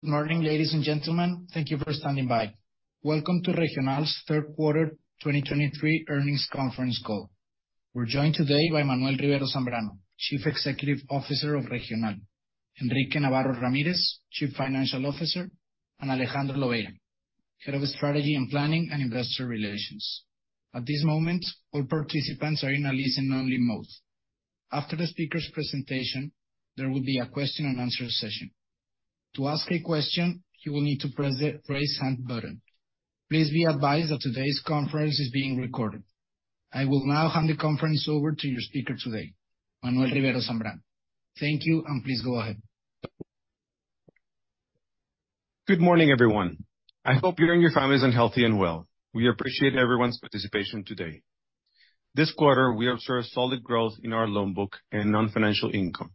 Good morning, ladies and gentlemen. Thank you for standing by. Welcome to Regional's Third Quarter 2023 Earnings Conference Call. We're joined today by Manuel Rivero Zambrano, Chief Executive Officer of Regional; Enrique Navarro Ramírez, Chief Financial Officer; and Alejandro Lobeira, Head of Strategy and Planning and Investor Relations. At this moment, all participants are in a listen-only mode. After the speaker's presentation, there will be a question and answer session. To ask a question, you will need to press the Raise Hand button. Please be advised that today's conference is being recorded. I will now hand the conference over to your speaker today, Manuel Rivero Zambrano. Thank you, and please go ahead. Good morning, everyone. I hope you and your families are healthy and well. We appreciate everyone's participation today. This quarter, we observed solid growth in our loan book and non-financial income.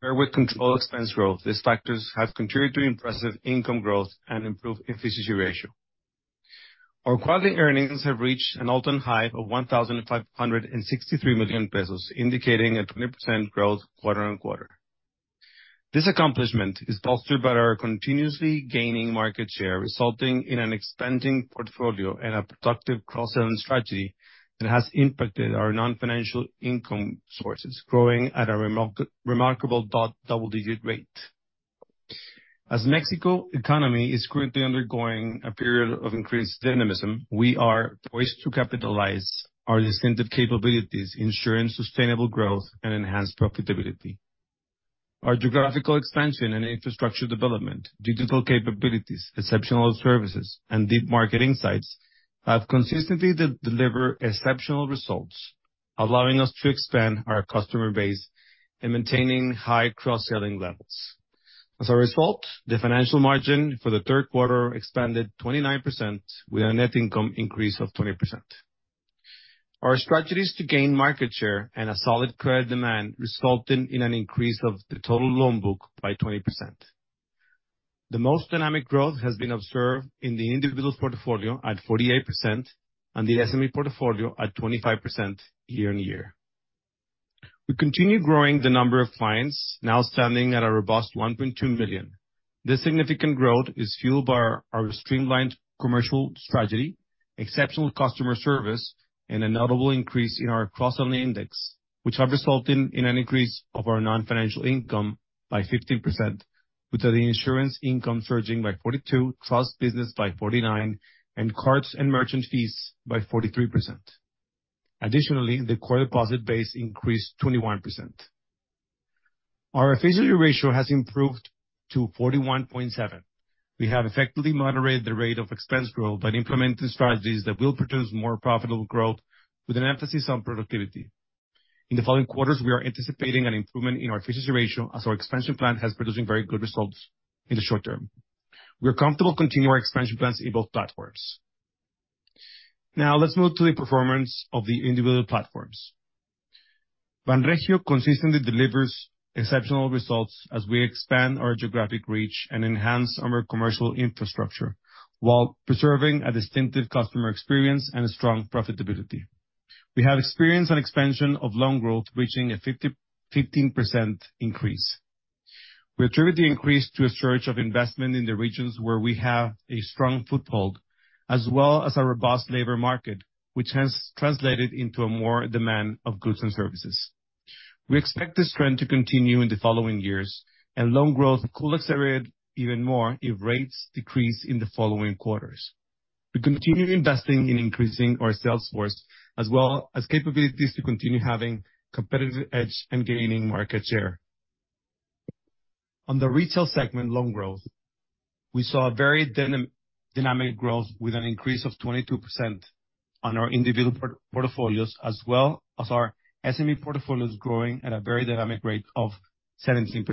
Paired with controlled expense growth, these factors have contributed to impressive income growth and improved efficiency ratio. Our quality earnings have reached an all-time high of 1,563 million pesos, indicating a 20% growth quarter-on-quarter. This accomplishment is bolstered by our continuously gaining market share, resulting in an expanding portfolio and a productive cross-selling strategy that has impacted our non-financial income sources, growing at a remarkable double-digit rate. As Mexico economy is currently undergoing a period of increased dynamism, we are poised to capitalize our distinctive capabilities, ensuring sustainable growth and enhanced profitability. Our geographical expansion and infrastructure development, digital capabilities, exceptional services, and deep market insights have consistently deliver exceptional results, allowing us to expand our customer base and maintaining high cross-selling levels. As a result, the financial margin for the third quarter expanded 29%, with a net income increase of 20%. Our strategies to gain market share and a solid credit demand resulted in an increase of the total loan book by 20%. The most dynamic growth has been observed in the individual portfolio at 48% and the SME portfolio at 25% year-on-year. We continue growing the number of clients, now standing at a robust 1.2 million. This significant growth is fueled by our streamlined commercial strategy, exceptional customer service, and a notable increase in our Cross-Selling Index, which have resulted in an increase of our non-financial income by 15%, with the insurance income surging by 42%, trust business by 49%, and cards and merchant fees by 43%. Additionally, the core deposit base increased 21%. Our Efficiency Ratio has improved to 41.7%. We have effectively moderated the rate of expense growth by implementing strategies that will produce more profitable growth, with an emphasis on productivity. In the following quarters, we are anticipating an improvement in our Efficiency Ratio as our expansion plan has producing very good results in the short term. We are comfortable continuing our expansion plans in both platforms. Now, let's move to the performance of the individual platforms. Banregio consistently delivers exceptional results as we expand our geographic reach and enhance our commercial infrastructure, while preserving a distinctive customer experience and a strong profitability. We have experienced an expansion of loan growth, reaching a 15% increase. We attribute the increase to a surge of investment in the regions where we have a strong foothold, as well as a robust labor market, which has translated into a more demand of goods and services. We expect this trend to continue in the following years, and loan growth could accelerate even more if rates decrease in the following quarters. We continue investing in increasing our sales force, as well as capabilities to continue having competitive edge and gaining market share. On the retail segment loan growth, we saw a very dynamic growth, with an increase of 22% on our individual portfolios, as well as our SME portfolios growing at a very dynamic rate of 17%.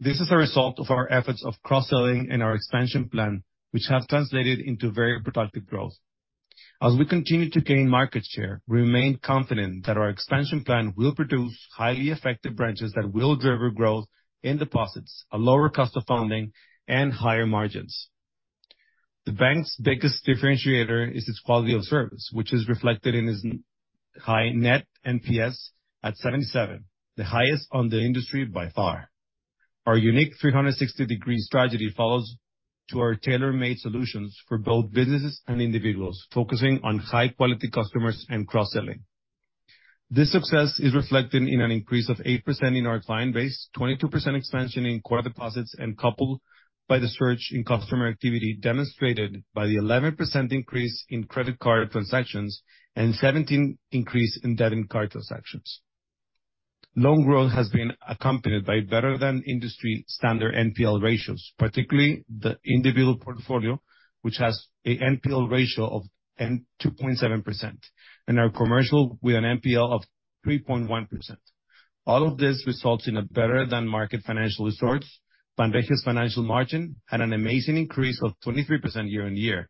This is a result of our efforts of cross-selling and our expansion plan, which has translated into very productive growth. As we continue to gain market share, we remain confident that our expansion plan will produce highly effective branches that will drive our growth in deposits, a lower cost of funding, and higher margins. The bank's biggest differentiator is its quality of service, which is reflected in its high net NPS at 77, the highest on the industry by far. Our unique 360-degree strategy follows to our tailor-made solutions for both businesses and individuals, focusing on high-quality customers and cross-selling. This success is reflected in an increase of 8% in our client base, 22% expansion in core deposits, and coupled by the surge in customer activity, demonstrated by the 11% increase in credit card transactions and 17% increase in debit and card transactions. Loan growth has been accompanied by better-than-industry standard NPL ratios, particularly the individual portfolio, which has a NPL ratio of 2.7%, and our commercial with an NPL of 3.1%. All of this results in a better-than-market financial resource, Banregio's financial margin, and an amazing increase of 23% year-on-year,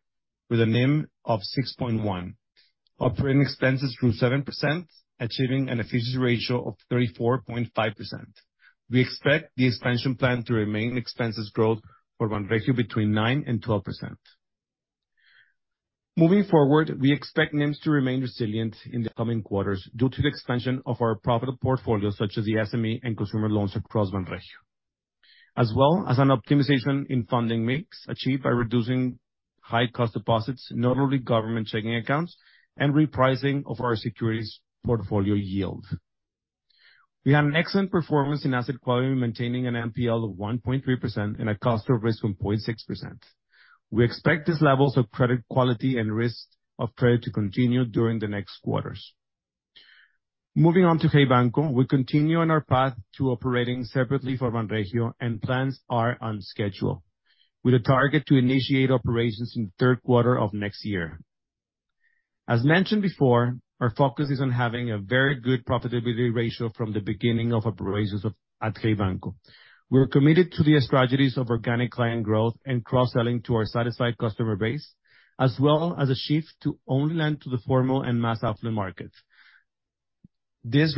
with a NIM of 6.1%. Operating expenses grew 7%, achieving an efficiency ratio of 34.5%. We expect the expansion plan to remain expenses growth for Banregio between 9% and 12%. Moving forward, we expect NIMS to remain resilient in the coming quarters due to the expansion of our profitable portfolio, such as the SME and consumer loans across Banregio, as well as an optimization in funding mix, achieved by reducing high cost deposits, notably government checking accounts and repricing of our securities portfolio yield. We had an excellent performance in asset quality, maintaining an NPL of 1.3% and a cost of risk from 0.6%. We expect these levels of credit quality and risk of credit to continue during the next quarters. Moving on to Hey Banco, we continue on our path to operating separately from Banregio, and plans are on schedule, with a target to initiate operations in the third quarter of next year. As mentioned before, our focus is on having a very good profitability ratio from the beginning of operations at Hey Banco. We're committed to the strategies of organic client growth and cross-selling to our satisfied customer base, as well as a shift to only lend to the formal and mass affluent market. This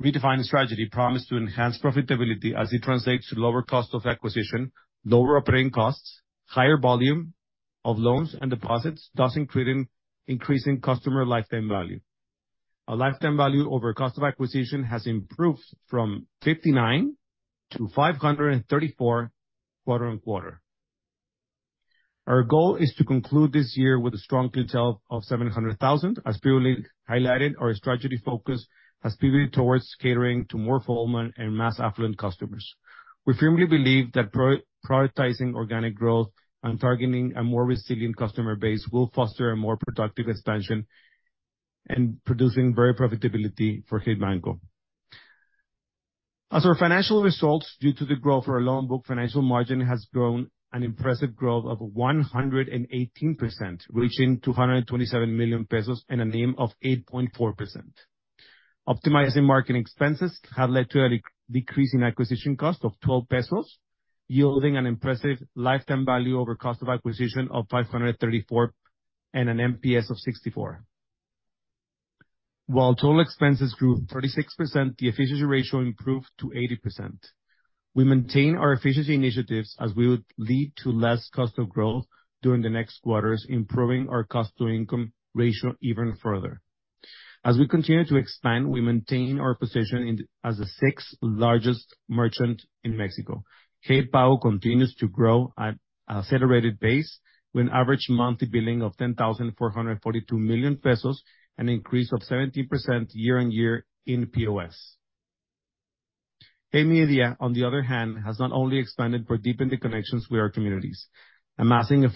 redefined strategy promised to enhance profitability as it translates to lower cost of acquisition, lower operating costs, higher volume of loans and deposits, thus increasing customer lifetime value. Our lifetime value over cost of acquisition has improved from 59 to 534 quarter-over-quarter. Our goal is to conclude this year with a strong clientele of 700,000. As previously highlighted, our strategy focus has pivoted towards catering to more formal and mass affluent customers. We firmly believe that prioritizing organic growth and targeting a more resilient customer base will foster a more productive expansion and producing very profitability for Hey Banco. As our financial results, due to the growth of our loan book, financial margin has grown an impressive growth of 118%, reaching 227 million pesos and a NIM of 8.4%. Optimizing marketing expenses have led to a decrease in acquisition cost of 12 pesos, yielding an impressive lifetime value over cost of acquisition of 534, and an NPS of 64. While total expenses grew 36%, the efficiency ratio improved to 80%. We maintain our efficiency initiatives as we would lead to less cost of growth during the next quarters, improving our cost to income ratio even further. As we continue to expand, we maintain our position as the sixth largest merchant in Mexico. Hey Pay continues to grow at an accelerated pace, with an average monthly billing of 10,442 million pesos, an increase of 17% year-on-year in POS. Hey Media, on the other hand, has not only expanded, but deepened the connections with our communities, amassing a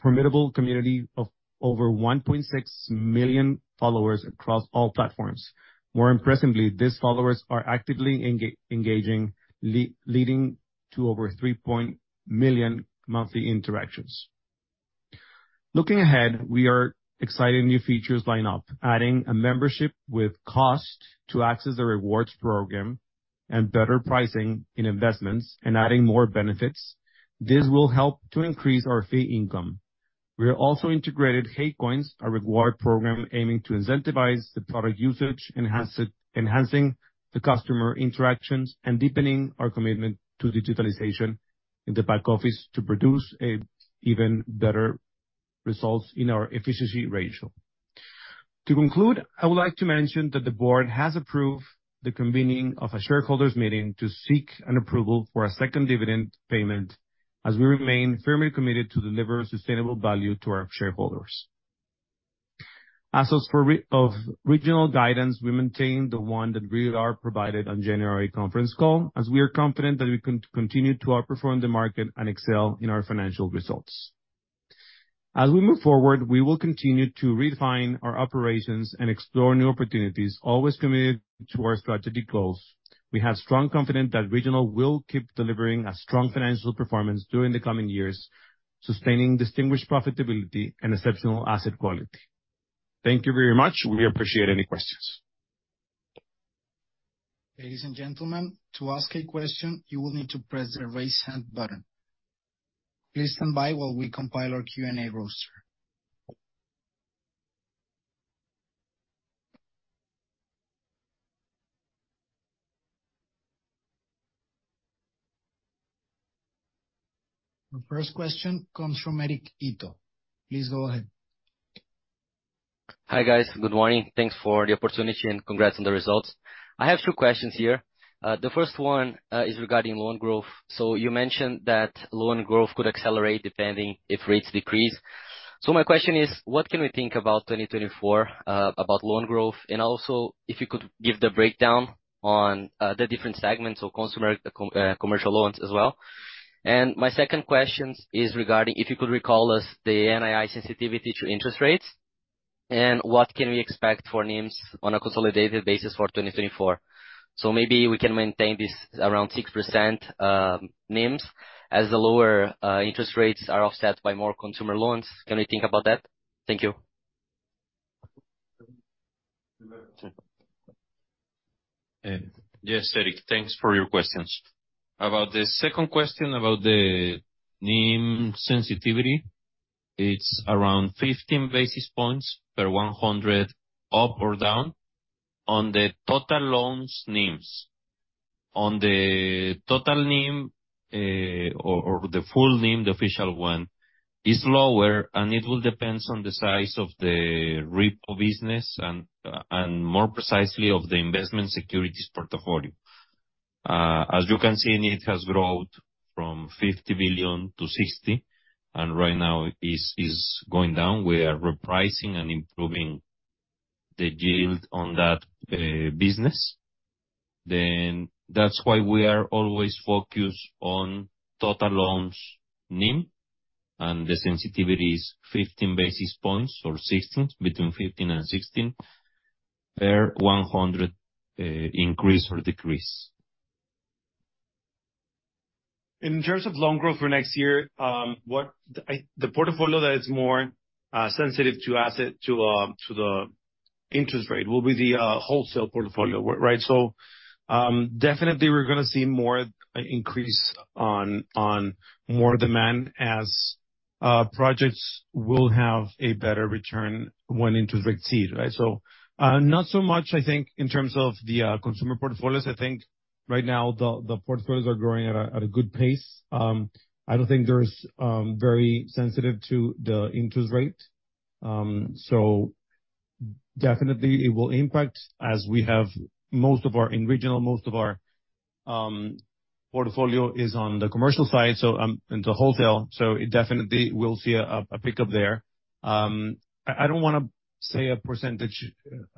formidable community of over 1.6 million followers across all platforms. More impressively, these followers are actively engaging, leading to over three million monthly interactions. Looking ahead, we are excited new features line up, adding a membership with cost to access the rewards program and better pricing in investments and adding more benefits. This will help to increase our fee income. We have also integrated Hey Coins, a reward program aiming to incentivize the product usage, enhancing the customer interactions and deepening our commitment to digitalization in the back office to produce even better results in our efficiency ratio. To conclude, I would like to mention that the board has approved the convening of a shareholders' meeting to seek an approval for a second dividend payment, as we remain firmly committed to deliver sustainable value to our shareholders. As for Regional guidance, we maintain the one that we provided on the January conference call, as we are confident that we can continue to outperform the market and excel in our financial results. As we move forward, we will continue to refine our operations and explore new opportunities, always committed to our strategic goals. We have strong confidence that Regional will keep delivering a strong financial performance during the coming years, sustaining distinguished profitability and exceptional asset quality. Thank you very much. We appreciate any questions. Ladies and gentlemen, to ask a question, you will need to press the Raise Hand button. Please stand by while we compile our Q&A roster. Our first question comes from Eric Ito. Please go ahead. Hi, guys. Good morning. Thanks for the opportunity, and congrats on the results. I have two questions here. The first one is regarding loan growth. So you mentioned that loan growth could accelerate depending if rates decrease. So my question is: What can we think about 2024 about loan growth? And also, if you could give the breakdown on the different segments, so consumer, commercial loans as well. And my second question is regarding if you could recall us the NII sensitivity to interest rates, and what can we expect for NIMS on a consolidated basis for 2024? So maybe we can maintain this around 6% NIMS, as the lower interest rates are offset by more consumer loans. Can we think about that? Thank you. Yes, Eric, thanks for your questions. About the second question about the NIM sensitivity, it's around 15 basis points per 100, up or down, on the total loans NIMs.... On the total NIM, or the full NIM, the official one, is lower, and it will depends on the size of the repo business, and more precisely, of the investment securities portfolio. As you can see, it has grown from 50 billion to 60 billion, and right now is going down. We are repricing and improving the yield on that business. Then, that's why we are always focused on total loans NIM, and the sensitivity is 15 basis points or 16, between 15 and 16, per 100 increase or decrease. In terms of loan growth for next year, the portfolio that is more sensitive to the interest rate will be the wholesale portfolio, right? So, definitely we're gonna see more increase on more demand, as projects will have a better return when interest rates see it, right? So, not so much, I think, in terms of the consumer portfolios. I think right now, the portfolios are growing at a good pace. I don't think there's very sensitive to the interest rate. So, definitely it will impact, as we have most of our in Regional portfolio on the commercial side, so in the wholesale, so it definitely will see a pickup there. I don't wanna say a percentage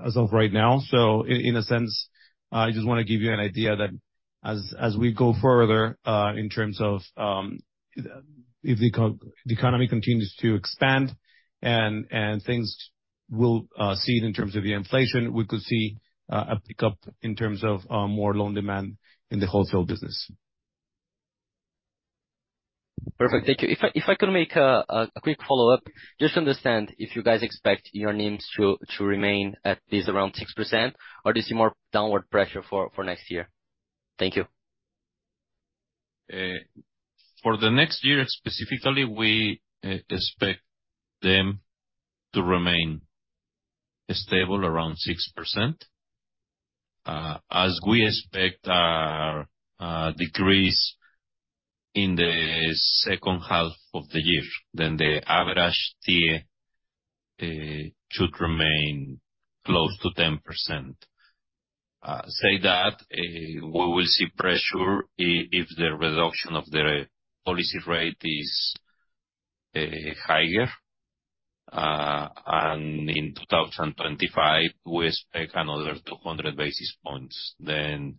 as of right now, so in a sense, I just wanna give you an idea that as we go further in terms of if the economy continues to expand and things will see in terms of the inflation, we could see a pickup in terms of more loan demand in the wholesale business. Perfect. Thank you. If I could make a quick follow-up, just understand if you guys expect your NIMs to remain at least around 6%, or do you see more downward pressure for next year? Thank you. For the next year, specifically, we expect them to remain stable around 6%. As we expect a decrease in the second half of the year, then the average tier should remain close to 10%. Say that we will see pressure if the reduction of the policy rate is higher. And in 2025, we expect another 200 basis points, then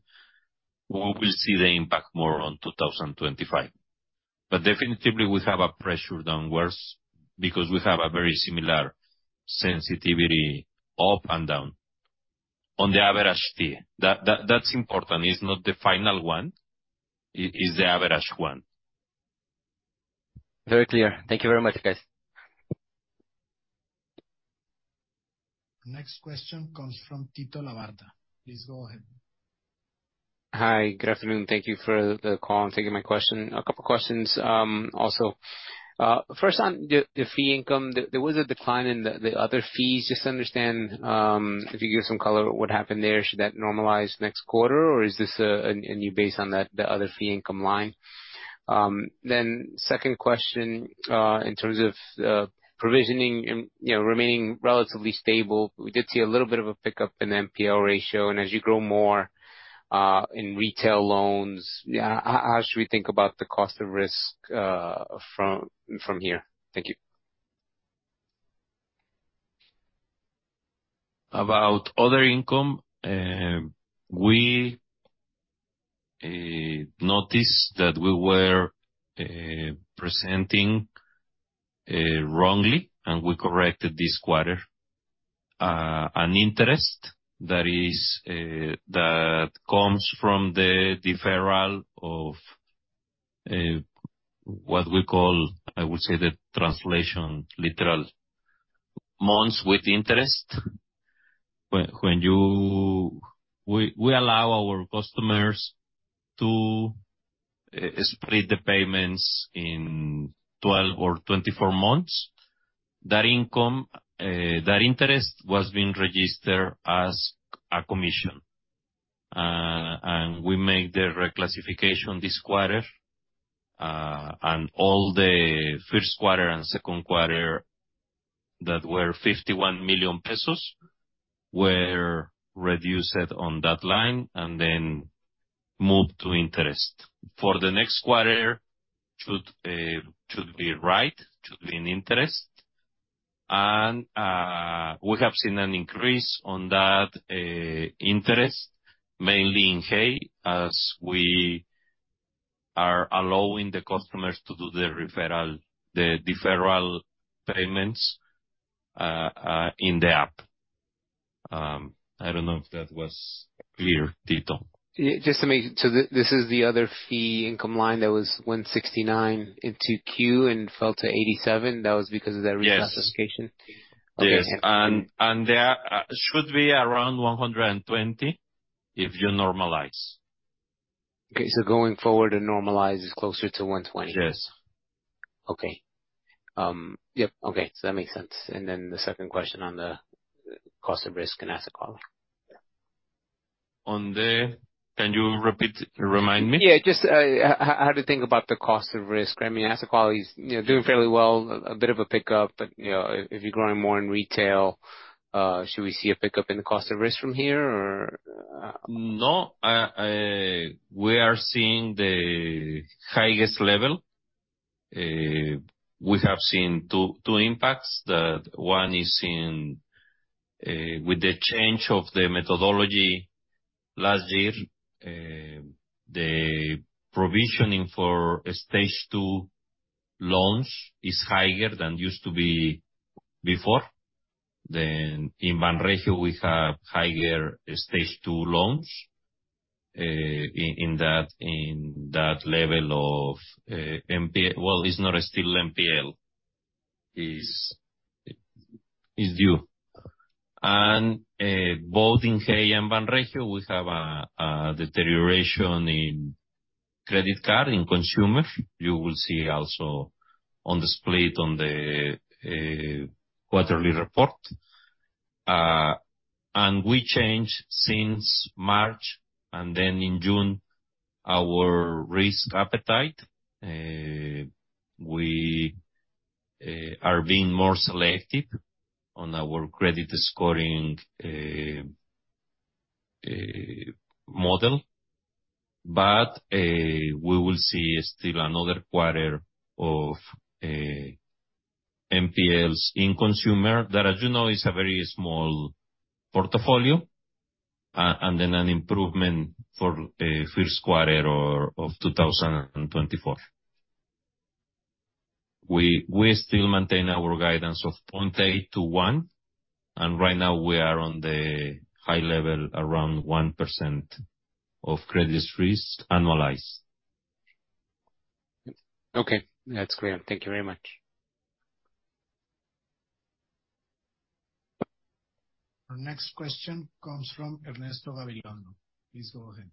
we will see the impact more on 2025. But definitely, we have a pressure downwards, because we have a very similar sensitivity, up and down, on the average tier. That, that's important. It's not the final one, it is the average one. Very clear. Thank you very much, guys. Next question comes from Tito Labarta. Please go ahead. Hi. Good afternoon. Thank you for the call, and thank you for my question. A couple questions, also. First on the fee income, there was a decline in the other fees. Just to understand, if you give some color, what happened there? Should that normalize next quarter, or is this a new base on that, the other fee income line? Then second question, in terms of provisioning and, you know, remaining relatively stable, we did see a little bit of a pickup in the NPL ratio, and as you grow more in retail loans, how should we think about the cost of risk, from here? Thank you. About other income, we noticed that we were presenting wrongly, and we corrected this quarter. An interest that is that comes from the deferral of what we call, I would say, the translation, literal, months with interest. When you... We allow our customers to split the payments in 12 or 24 months. That income, that interest was being registered as a commission, and we make the reclassification this quarter. And all the first quarter and second quarter, that were 51 million pesos, were reduced on that line, and then moved to interest. For the next quarter, should be right, should be an interest. And we have seen an increase on that interest, mainly in Hey, as we are allowing the customers to do the referral, the deferral payments in the app. I don't know if that was clear, Tito. Yeah, just to make so this is the other fee income line that was 169 in 2Q and fell to 87. That was because of that- Yes. Reclassification? Yes. Okay. There should be around 120, if you normalize. Okay. So going forward and normalized, it's closer to 120? Yes.... Okay. Yep, okay, so that makes sense. Then the second question on the cost of risk and asset quality. On the, can you repeat, remind me? Yeah, just how to think about the cost of risk. I mean, asset quality is, you know, doing fairly well, a bit of a pickup, but, you know, if you're growing more in retail, should we see a pickup in the cost of risk from here, or...? No. We are seeing the highest level. We have seen two, two impacts. The one is in, with the change of the methodology last year, the provisioning for stage two loans is higher than used to be before. Then in Banregio, we have higher stage two loans, in that level of, NPL. Well, it's not still NPL, it's due. And both in Hey and Banregio, we have a deterioration in credit card, in consumer. You will see also on the split on the quarterly report. And we changed since March, and then in June, our risk appetite, we are being more selective on our credit scoring model. We will see still another quarter of NPLs in consumer, that, as you know, is a very small portfolio, and then an improvement for first quarter of 2024. We still maintain our guidance of 0.8%-1%, and right now we are on the high level, around 1% of credit risk annualized. Okay. That's clear. Thank you very much. Our next question comes from Ernesto Gabilondo. Please go ahead.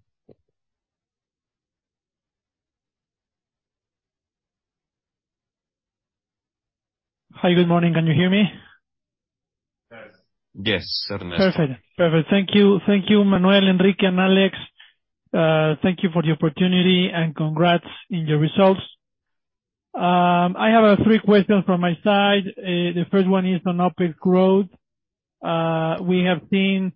Hi, good morning. Can you hear me? Yes, Ernesto. Perfect. Perfect. Thank you. Thank you, Manuel, Enrique, and Alex. Thank you for the opportunity, and congrats on your results. I have three questions from my side. The first one is on OpEx growth. We have seen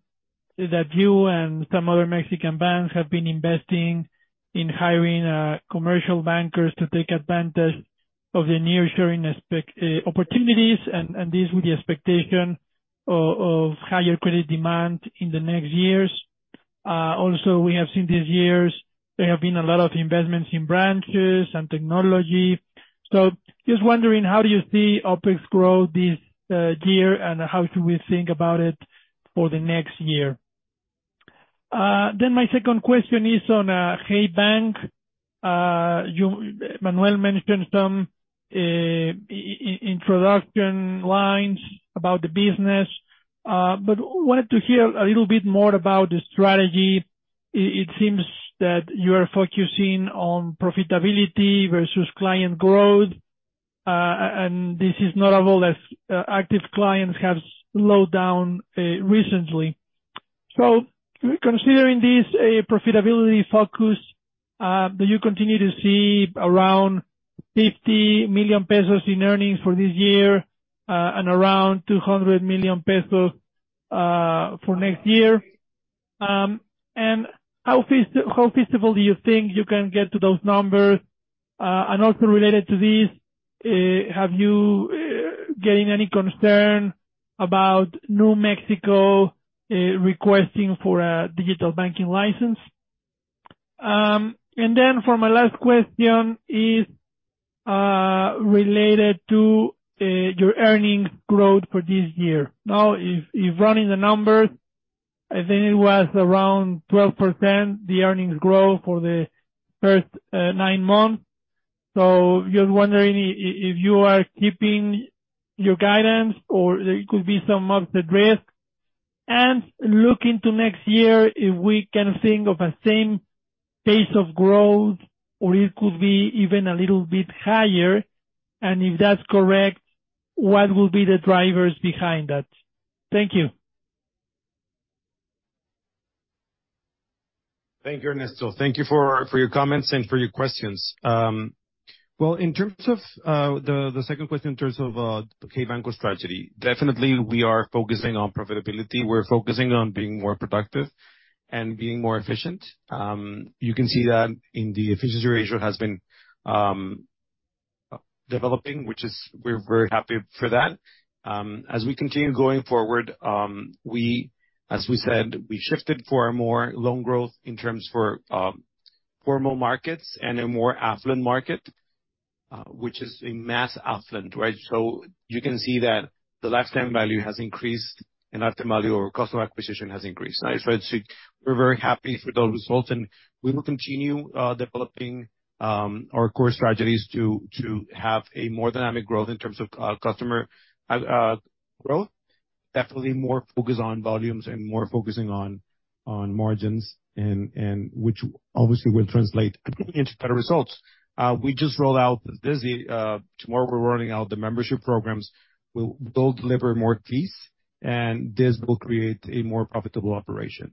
that you and some other Mexican banks have been investing in hiring commercial bankers to take advantage of the nearshoring aspect opportunities, and this with the expectation of higher credit demand in the next years. Also, we have seen these years, there have been a lot of investments in branches and technology. So just wondering, how do you see OpEx growth this year, and how should we think about it for the next year? Then my second question is on Hey Banco. You, Manuel mentioned some, introduction lines about the business, but wanted to hear a little bit more about the strategy. It seems that you are focusing on profitability versus client growth, and this is notable as, active clients have slowed down, recently. So considering this a profitability focus, do you continue to see around 50 million pesos in earnings for this year, and around 200 million pesos, for next year? And how feasible do you think you can get to those numbers? And also related to this, have you getting any concern about Nu requesting for a digital banking license? And then for my last question is, related to, your earnings growth for this year. Now, if running the numbers, I think it was around 12%, the earnings growth for the first nine months. So just wondering if you are keeping your guidance or there could be some upside risk. And looking to next year, if we can think of a same pace of growth, or it could be even a little bit higher, and if that's correct, what will be the drivers behind that? Thank you. Thank you, Ernesto. Thank you for your comments and for your questions. Well, in terms of the second question, in terms of Hey Banco growth strategy, definitely we are focusing on profitability. We're focusing on being more productive and being more efficient. You can see that in the efficiency ratio has been developing, which is. We're very happy for that. As we continue going forward, as we said, we shifted for a more loan growth in terms of formal markets and a more affluent market, which is a mass affluent, right? So you can see that the lifetime value has increased, and LTV/CAC has increased, right? I'd say, we're very happy with those results, and we will continue developing our core strategies to have a more dynamic growth in terms of customer growth.... Definitely more focus on volumes and more focusing on margins, and which obviously will translate into better results. We just rolled out Dizzy. Tomorrow, we're rolling out the membership programs. They'll deliver more fees, and this will create a more profitable operation.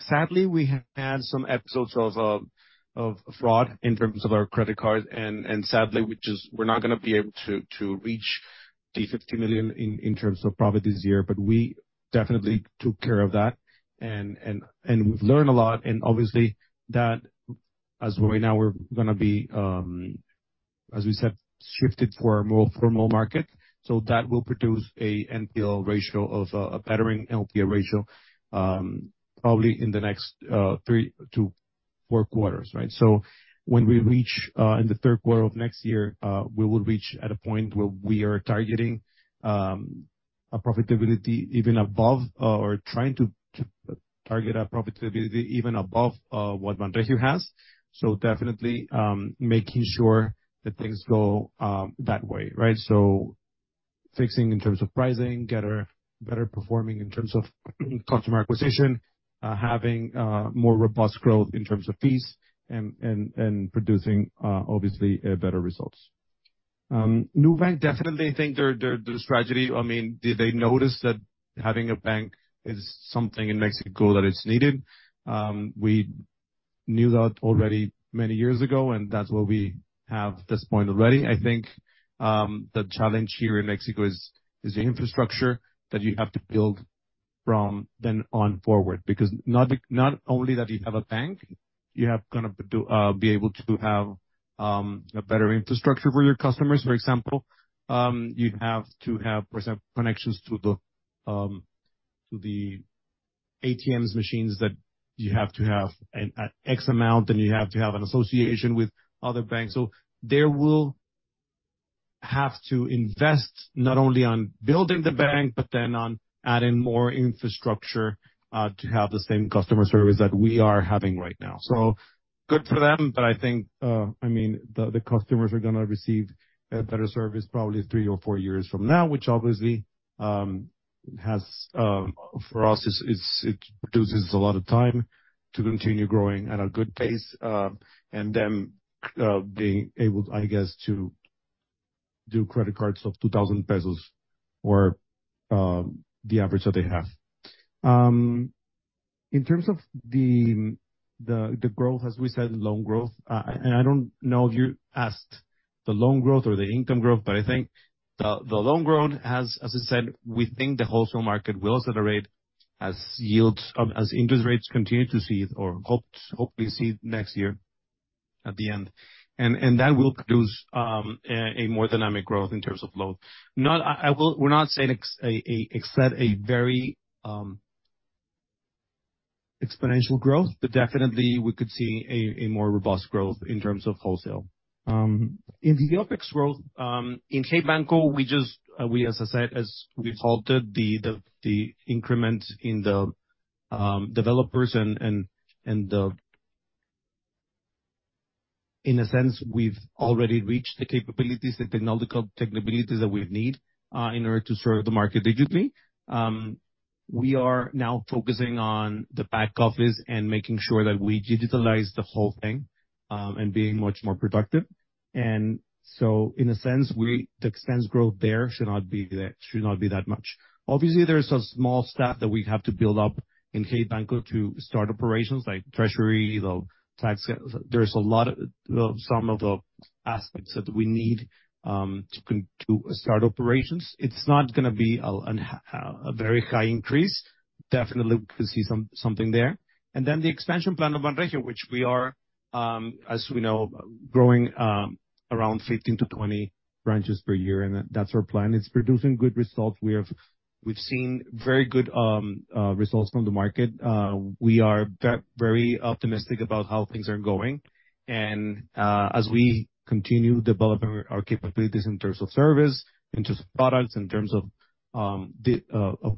Sadly, we have had some episodes of fraud in terms of our credit cards, and sadly, we just-- we're not gonna be able to reach the 50 million in terms of profit this year. But we definitely took care of that, and we've learned a lot, and obviously that as right now, we're gonna be, as we said, shifted for a more formal market. So that will produce a NPL ratio of a bettering NPL ratio, probably in the next three to four quarters, right? So when we reach in the third quarter of next year, we will reach at a point where we are targeting a profitability even above or trying to target our profitability even above what Banregio has. So definitely making sure that things go that way, right? So fixing in terms of pricing, better performing in terms of customer acquisition, having more robust growth in terms of fees and producing obviously better results. Nubank, definitely think they're their strategy. I mean, they notice that having a bank is something in Mexico that is needed. We knew that already many years ago, and that's why we have this point already. I think the challenge here in Mexico is the infrastructure that you have to build from then on forward. Because not only that you have a bank, you have gonna to be able to have a better infrastructure for your customers. For example, you have to have, for example, connections to the ATM machines, that you have to have an X amount, and you have to have an association with other banks. So they will have to invest not only on building the bank, but then on adding more infrastructure to have the same customer service that we are having right now. So good for them, but I think, I mean, the customers are gonna receive a better service probably three or four years from now, which obviously has... For us, it produces a lot of time to continue growing at a good pace, and then, being able, I guess, to do credit cards of 2,000 pesos or the average that they have. In terms of the growth, as we said, loan growth, and I don't know if you asked the loan growth or the income growth, but I think the loan growth has, as I said, we think the wholesale market will accelerate as yields, as interest rates continue to see or hopefully see next year at the end. And that will produce a more dynamic growth in terms of loans. Not... We're not saying expect a very exponential growth, but definitely we could see a more robust growth in terms of wholesale. In the OpEx growth in Hey Banco, as I said, as we've halted the increment in the developers and the—in a sense, we've already reached the capabilities, the technological capabilities that we need in order to serve the market digitally. We are now focusing on the back office and making sure that we digitalize the whole thing and being much more productive. So in a sense, the expense growth there should not be that much. Obviously, there's a small staff that we have to build up in Hey Banco to start operations like treasury, the tax. There's a lot, some of the aspects that we need to start operations. It's not gonna be a very high increase. Definitely, we could see something there. And then the expansion plan of Banregio, which we are, as we know, growing around 15-20 branches per year, and that's our plan. It's producing good results. We've seen very good results from the market. We are very optimistic about how things are going. And as we continue developing our capabilities in terms of service, in terms of products, in terms of the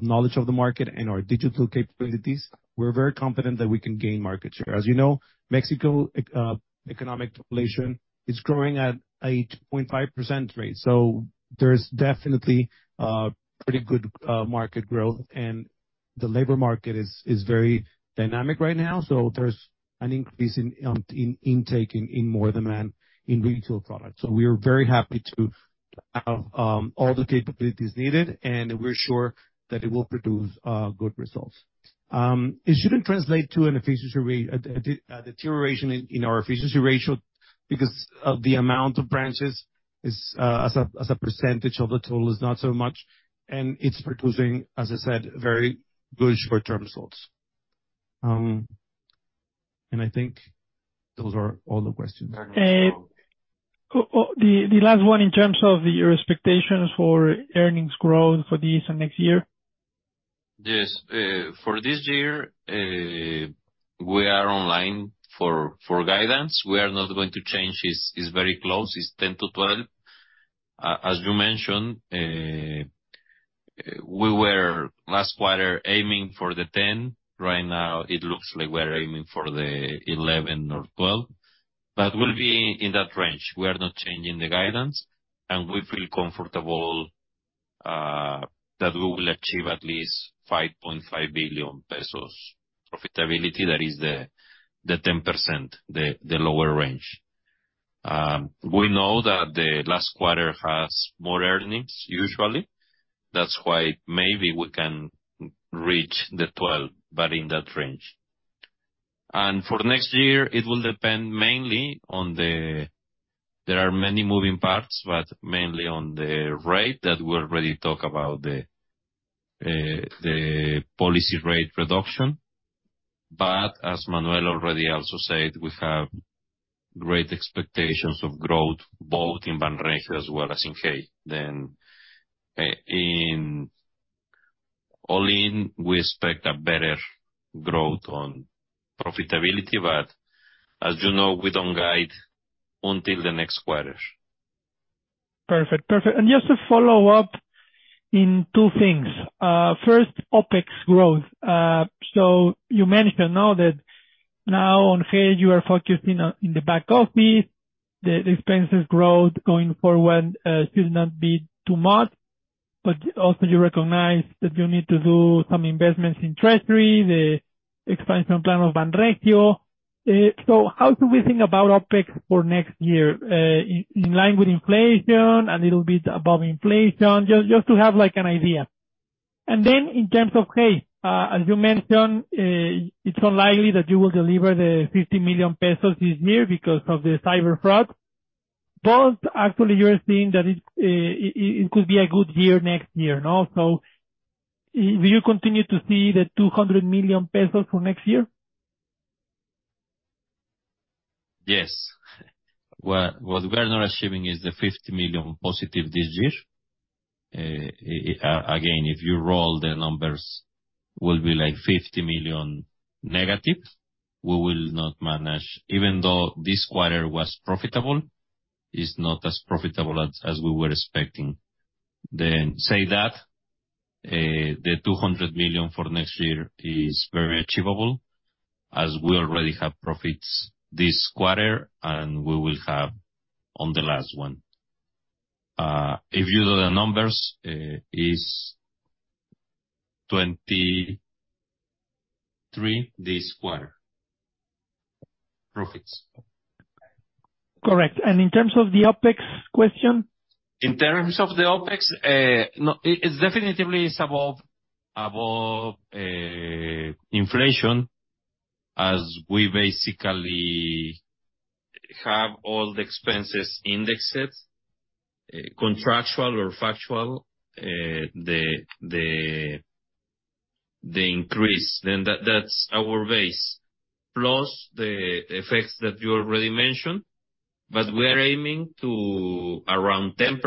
knowledge of the market and our digital capabilities, we're very confident that we can gain market share. As you know, Mexico economic population is growing at a 2.5% rate, so there's definitely pretty good market growth, and the labor market is very dynamic right now. So there's an increase in taking in more demand in retail products. So we are very happy to have all the capabilities needed, and we're sure that it will produce good results. It shouldn't translate to an efficiency rate, a deterioration in our efficiency ratio, because the amount of branches is, as a percentage of the total, not so much, and it's producing, as I said, very good short-term results. And I think those are all the questions. The last one, in terms of your expectations for earnings growth for this and next year? Yes. For this year, we are online for guidance. We are not going to change. It's very close. It's 10%-12%. As you mentioned, we were last quarter aiming for the 10. Right now, it looks like we're aiming for the 11 or 12. But we'll be in that range. We are not changing the guidance, and we feel comfortable that we will achieve at least 5.5 billion pesos profitability. That is the 10%, the lower range. We know that the last quarter has more earnings, usually. That's why maybe we can reach the 12, but in that range. And for next year, it will depend mainly on the, there are many moving parts, but mainly on the rate that we already talk about, the policy rate reduction. But as Manuel already also said, we have great expectations of growth, both in Banregio as well as in Hey. Then, in all in, we expect a better growth on profitability, but as you know, we don't guide until the next quarters. Perfect. Perfect. And just to follow up on two things. First, OpEx growth. So you mentioned now that now on Hey, you are focusing on, in the back office, the expenses growth going forward, should not be too much, but also you recognize that you need to do some investments in treasury, the expansion plan of Banregio. So how do we think about OpEx for next year? In line with inflation, a little bit above inflation, just to have, like, an idea. And then in terms of Hey, as you mentioned, it's unlikely that you will deliver the 50 million pesos this year because of the cyber fraud. But actually, you're seeing that it could be a good year next year, no? So will you continue to see the 200 million pesos for next year? Yes. What we are not assuming is the 50 million positive this year. Again, if you roll the numbers, will be, like, 50 million negative. We will not manage... Even though this quarter was profitable, it's not as profitable as we were expecting. Then, say that the 200 million for next year is very achievable, as we already have profits this quarter, and we will have on the last one. If you do the numbers, is 23 million this quarter, profits. Correct. In terms of the OpEx question? In terms of the OpEx, no, it's definitively above inflation, as we basically have all the expenses indexed, contractual or factual, the increase, then that's our base. Plus the effects that you already mentioned, but we are aiming to around 10%,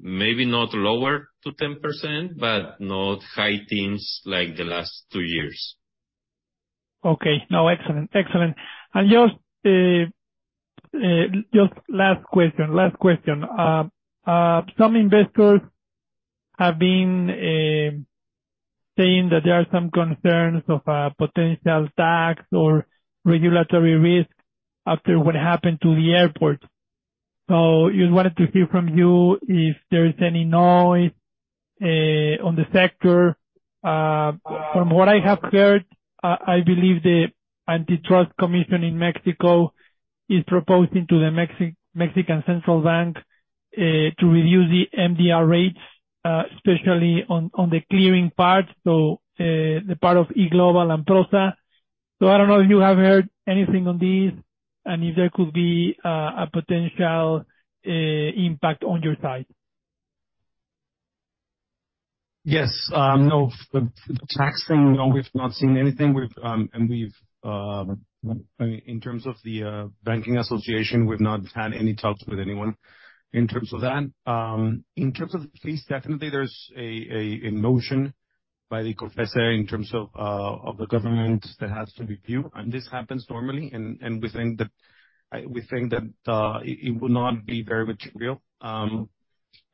maybe not lower to 10%, but not high teens like the last two years. Okay. No, excellent, excellent. And just last question, last question. Some investors have been saying that there are some concerns of potential tax or regulatory risk after what happened to the airport. So just wanted to hear from you if there is any noise on the sector. From what I have heard, I believe the Antitrust Commission in Mexico is proposing to the Mexican Central Bank to review the MDR rates, especially on the clearing part, so the part of E-Global and Prosa. So I don't know if you have heard anything on this, and if there could be a potential impact on your side. Yes. No, the tax thing, no, we've not seen anything. And we've, I mean, in terms of the banking association, we've not had any talks with anyone in terms of that. In terms of fees, definitely there's a motion by the COFECE in terms of the government that has to review, and this happens normally, and we think that it will not be very material.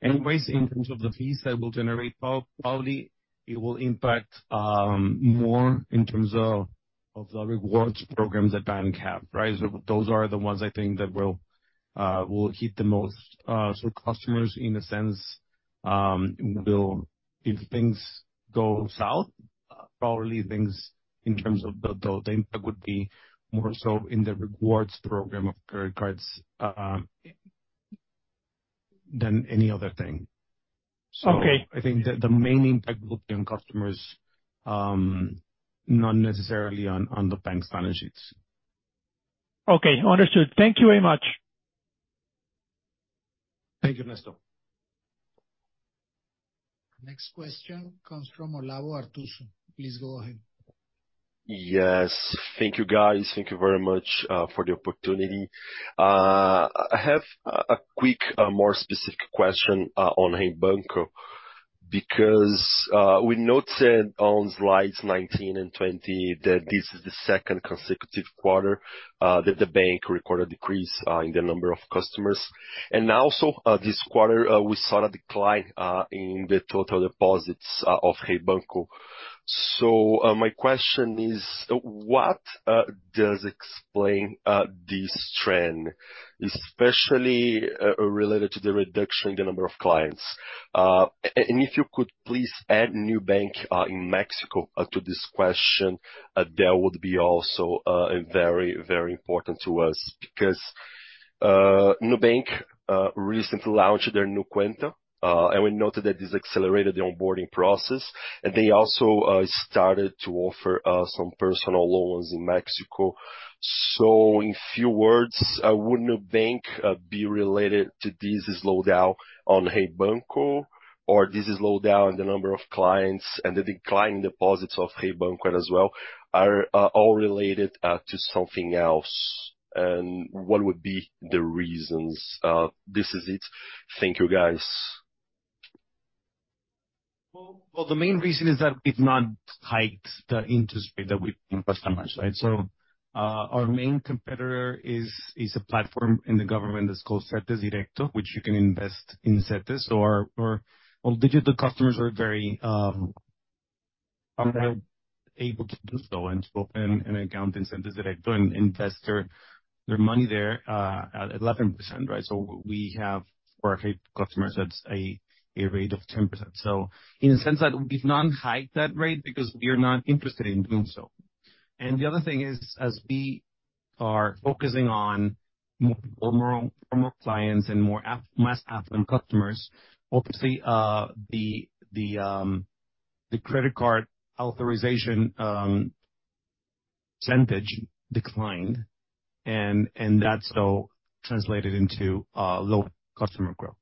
Anyways, in terms of the fees that will generate probably it will impact more in terms of the rewards programs that banks have, right? So those are the ones I think that will hit the most. So customers, in a sense, will... If things go south, probably things in terms of the impact would be more so in the rewards program of credit cards than any other thing. Okay. So I think the main impact will be on customers, not necessarily on the bank's balance sheets. Okay, understood. Thank you very much. Thank you, Ernesto. Next question comes from Olavo Arthuso. Please go ahead. Yes. Thank you, guys. Thank you very much for the opportunity. I have a quick, more specific question on Hey Banco, because we noted on Slides 19 and 20 that this is the second consecutive quarter that the bank recorded a decrease in the number of customers. And also this quarter we saw a decline in the total deposits of Hey Banco. So my question is, what does explain this trend, especially related to the reduction in the number of clients? And if you could please add Nubank in Mexico to this question, that would be also very, very important to us. Because Nubank recently launched their Nu Cuenta. We noted that this accelerated the onboarding process, and they also started to offer some personal loans in Mexico. So in few words, would Nubank be related to this slowdown on Hey Banco, or this slowdown in the number of clients and the decline in deposits of Hey Banco as well, are all related to something else? And what would be the reasons, this is it? Thank you, guys. Well, well, the main reason is that we've not hiked the interest rate that we offer customers, right? So, our main competitor is a platform in the government that's called CetesDirecto, which you can invest in Cetes. So our all digital customers are very able to do so, and to open an account in CetesDirecto, and invest their money there at 11%, right? So we have for our customers, that's a rate of 10%. So in a sense that we've not hiked that rate because we are not interested in doing so. And the other thing is, as we are focusing on more formal clients and more mass affluent customers, obviously, the credit card authorization percentage declined, and that so translated into low customer growth.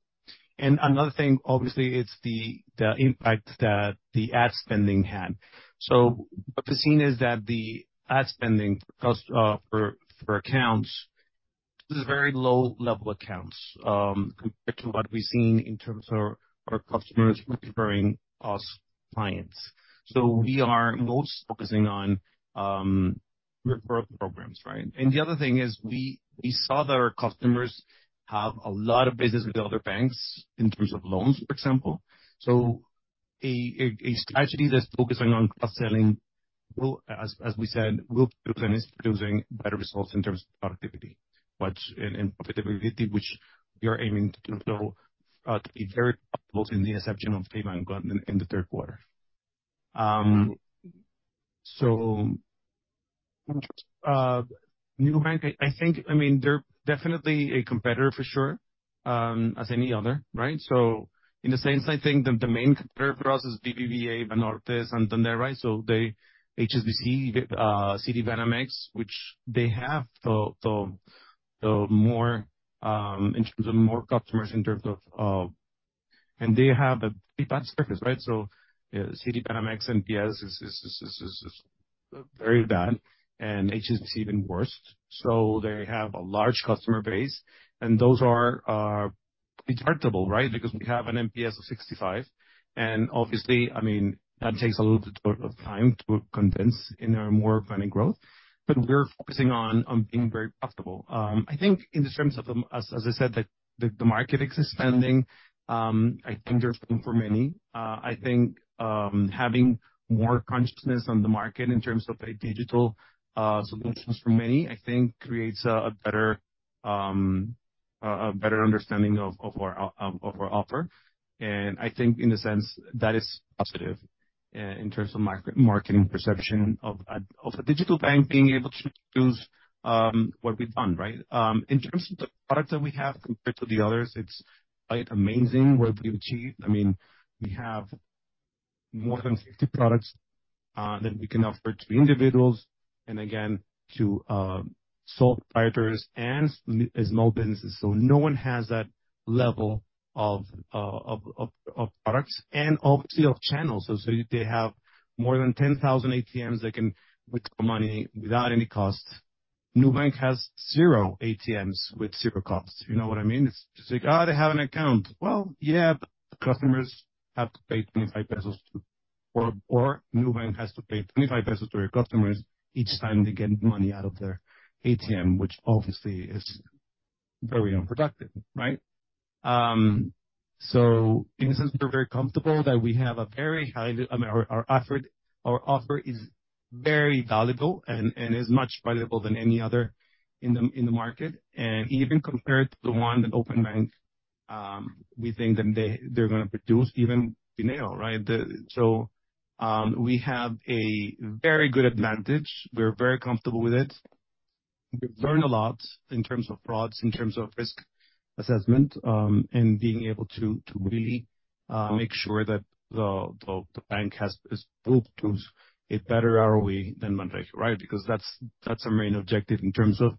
And another thing, obviously, it's the impact that the ad spending had. So what we've seen is that the ad spending for cost for accounts is very low-level accounts, compared to what we've seen in terms of our customers referring us clients. So we are most focusing on referral programs, right? And the other thing is we saw that our customers have a lot of business with other banks in terms of loans, for example. So a strategy that's focusing on cross-selling will, as we said, will produce and is producing better results in terms of productivity, but and profitability, which we are aiming to do so, to be very close in the inception of payment bank in the third quarter. NuBank, I think, I mean, they're definitely a competitor for sure, as any other, right? In the sense, I think the main competitor for us is BBVA, Banorte, and then tequila, right? They, HSBC, Citibanamex, which they have the more, in terms of more customers, in terms of... And they have a pretty bad service, right? Citibanamex NPS is very bad, and HSBC even worse. They have a large customer base, and those are detachable, right? Because we have an NPS of 65. Obviously, I mean, that takes a little bit of time to condense in a more planning growth, but we're focusing on being very profitable. I think in terms of the market expansion, as I said, I think there's room for many. I think having more competition in the market in terms of digital solutions for many, I think creates a better understanding of our offer. And I think in a sense, that is positive in terms of marketing perception of a digital bank being able to use what we've done, right? In terms of the product that we have compared to the others, it's quite amazing what we've achieved. I mean, we have more than 60 products that we can offer to individuals and again to sole proprietors and small businesses. So no one has that level of products and obviously of channels. So they have more than 10,000 ATMs they can withdraw money without any cost. Nubank has zero ATMs with zero costs. You know what I mean? It's like, oh, they have an account. Well, yeah, but the customers have to pay 25 pesos to-- or Nubank has to pay 25 pesos to their customers each time they get money out of their ATM, which obviously is very unproductive, right? So in a sense, we're very comfortable that we have a very high, I mean, our offer is very valuable and is much valuable than any other in the market. And even compared to the one that Openbank, we think that they, they're gonna produce even Bineo, right? The... So, we have a very good advantage. We're very comfortable with it. We've learned a lot in terms of frauds, in terms of risk assessment, and being able to really make sure that the bank has is able to a better ROE than Banregio, right? Because that's our main objective in terms of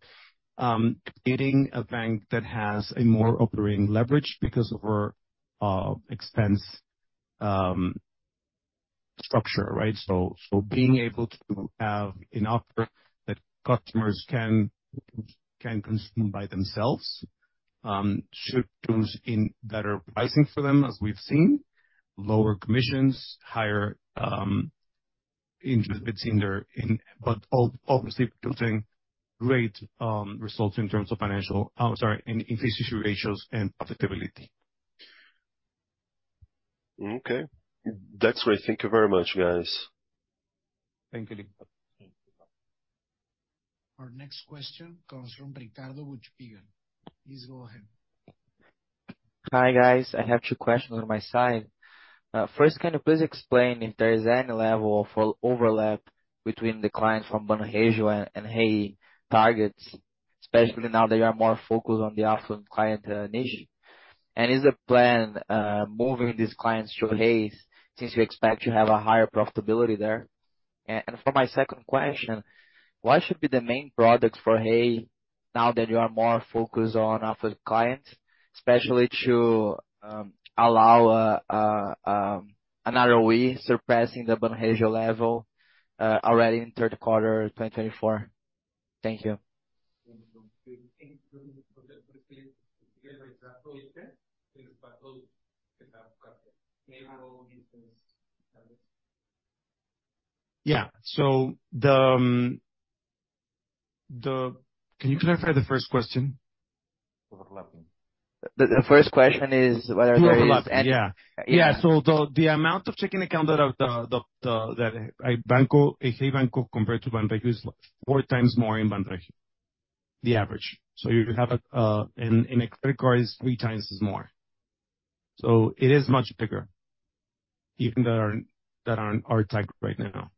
creating a bank that has a more operating leverage because of our expense structure, right? So being able to have an offer that customers can consume by themselves should choose in better pricing for them, as we've seen, lower commissions, higher interest rates in their in-- but obviously producing great results in terms of financial... Oh, sorry, in efficiency ratios and profitability.... Okay. That's great. Thank you very much, guys. Thank you. Our next question comes from Ricardo Buchpiguel. Please go ahead. Hi, guys. I have two questions on my side. First, can you please explain if there is any level of overlap between the clients from Banregio and Hey targets, especially now that you are more focused on the affluent client niche? And is the plan moving these clients to Hey, since you expect to have a higher profitability there? For my second question, what should be the main product for Hey, now that you are more focused on affluent clients, especially to another way surpassing the Banregio level already in third quarter 2024? Thank you. Yeah. So, can you clarify the first question? The first question is whether there is any- Yeah. Yeah, so the amount of checking account at Hey Banco, compared to Banregio, is four times more in Banregio, the average. So you have a in a credit card is three times more. So it is much bigger, even that are tagged right now.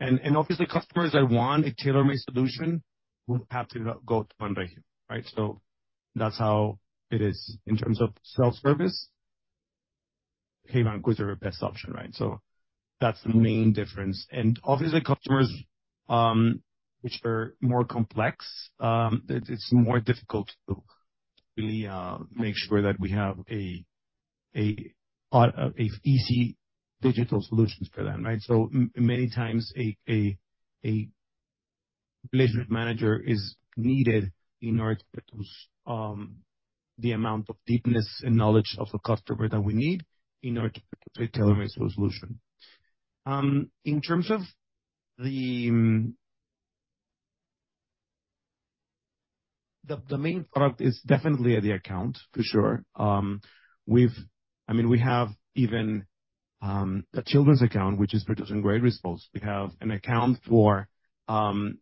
And obviously, customers that want a tailor-made solution will have to go to Banregio, right? So that's how it is. In terms of self-service, Hey Banco is our best option, right? So that's the main difference. And obviously, customers which are more complex, it's more difficult to really make sure that we have an easy digital solutions for them, right? So many times, a relationship manager is needed in order to the amount of deepness and knowledge of a customer that we need in order to tailor-make solution. In terms of the main product is definitely the account, for sure. We've—I mean, we have even a children's account, which is producing great results. We have an account for foreigners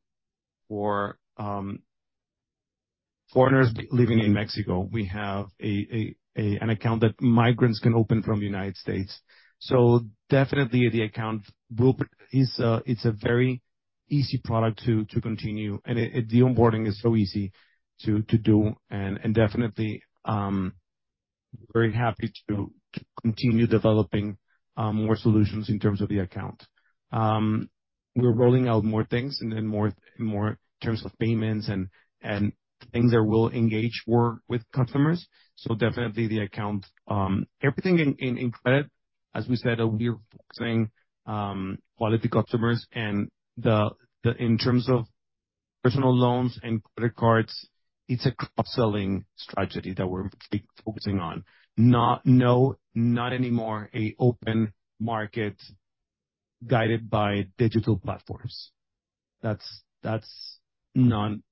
living in Mexico. We have an account that migrants can open from the United States. So definitely, the account is a, it's a very easy product to continue, and the onboarding is so easy to do, and definitely very happy to continue developing more solutions in terms of the account. We're rolling out more things and then more in terms of payments and things that will engage more with customers. So definitely the account, everything in credit, as we said, we are focusing quality customers and the in terms of personal loans and credit cards, it's a cross-selling strategy that we're focusing on. Not, no, not anymore, a open market guided by digital platforms. That's something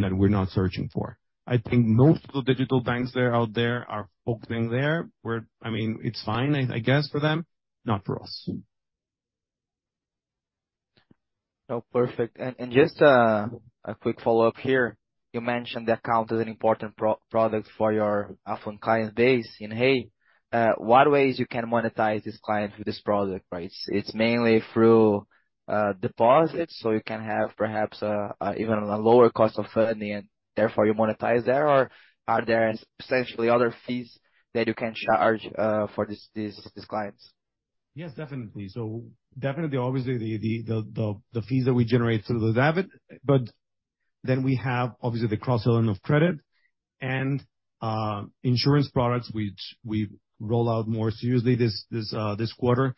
that we're not searching for. I think most of the digital banks there, out there, are opening there, where, I mean, it's fine, I guess, for them, not for us. Oh, perfect. And just a quick follow-up here. You mentioned the account is an important product for your affluent client base in Hey. What ways you can monetize this client through this product, right? It's mainly through deposits, so you can have perhaps even a lower cost of funding, and therefore you monetize there, or are there essentially other fees that you can charge for these clients? Yes, definitely. So definitely, obviously, the fees that we generate through the debit, but then we have, obviously, the cross-selling of credit and insurance products, which we roll out more seriously this quarter.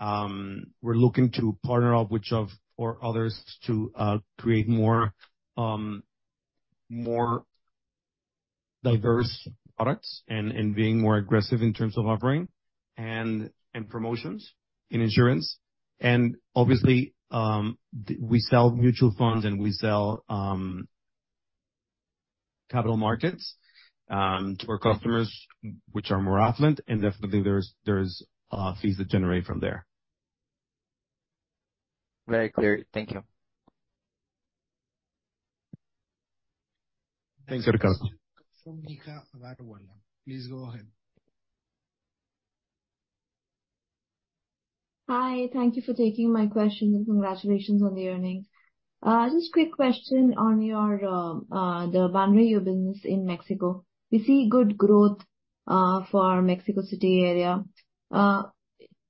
We're looking to partner up with of, or others to create more diverse products and being more aggressive in terms of offering and promotions in insurance. And obviously, we sell mutual funds, and we sell capital markets to our customers, which are more affluent, and definitely there's fees that generate from there. Very clear. Thank you. Thanks, Ricardo. From Nika Bhavnani. Please go ahead. Hi, thank you for taking my question, and congratulations on the earnings. Just quick question on your, the Banregio business in Mexico. We see good growth, for Mexico City area. How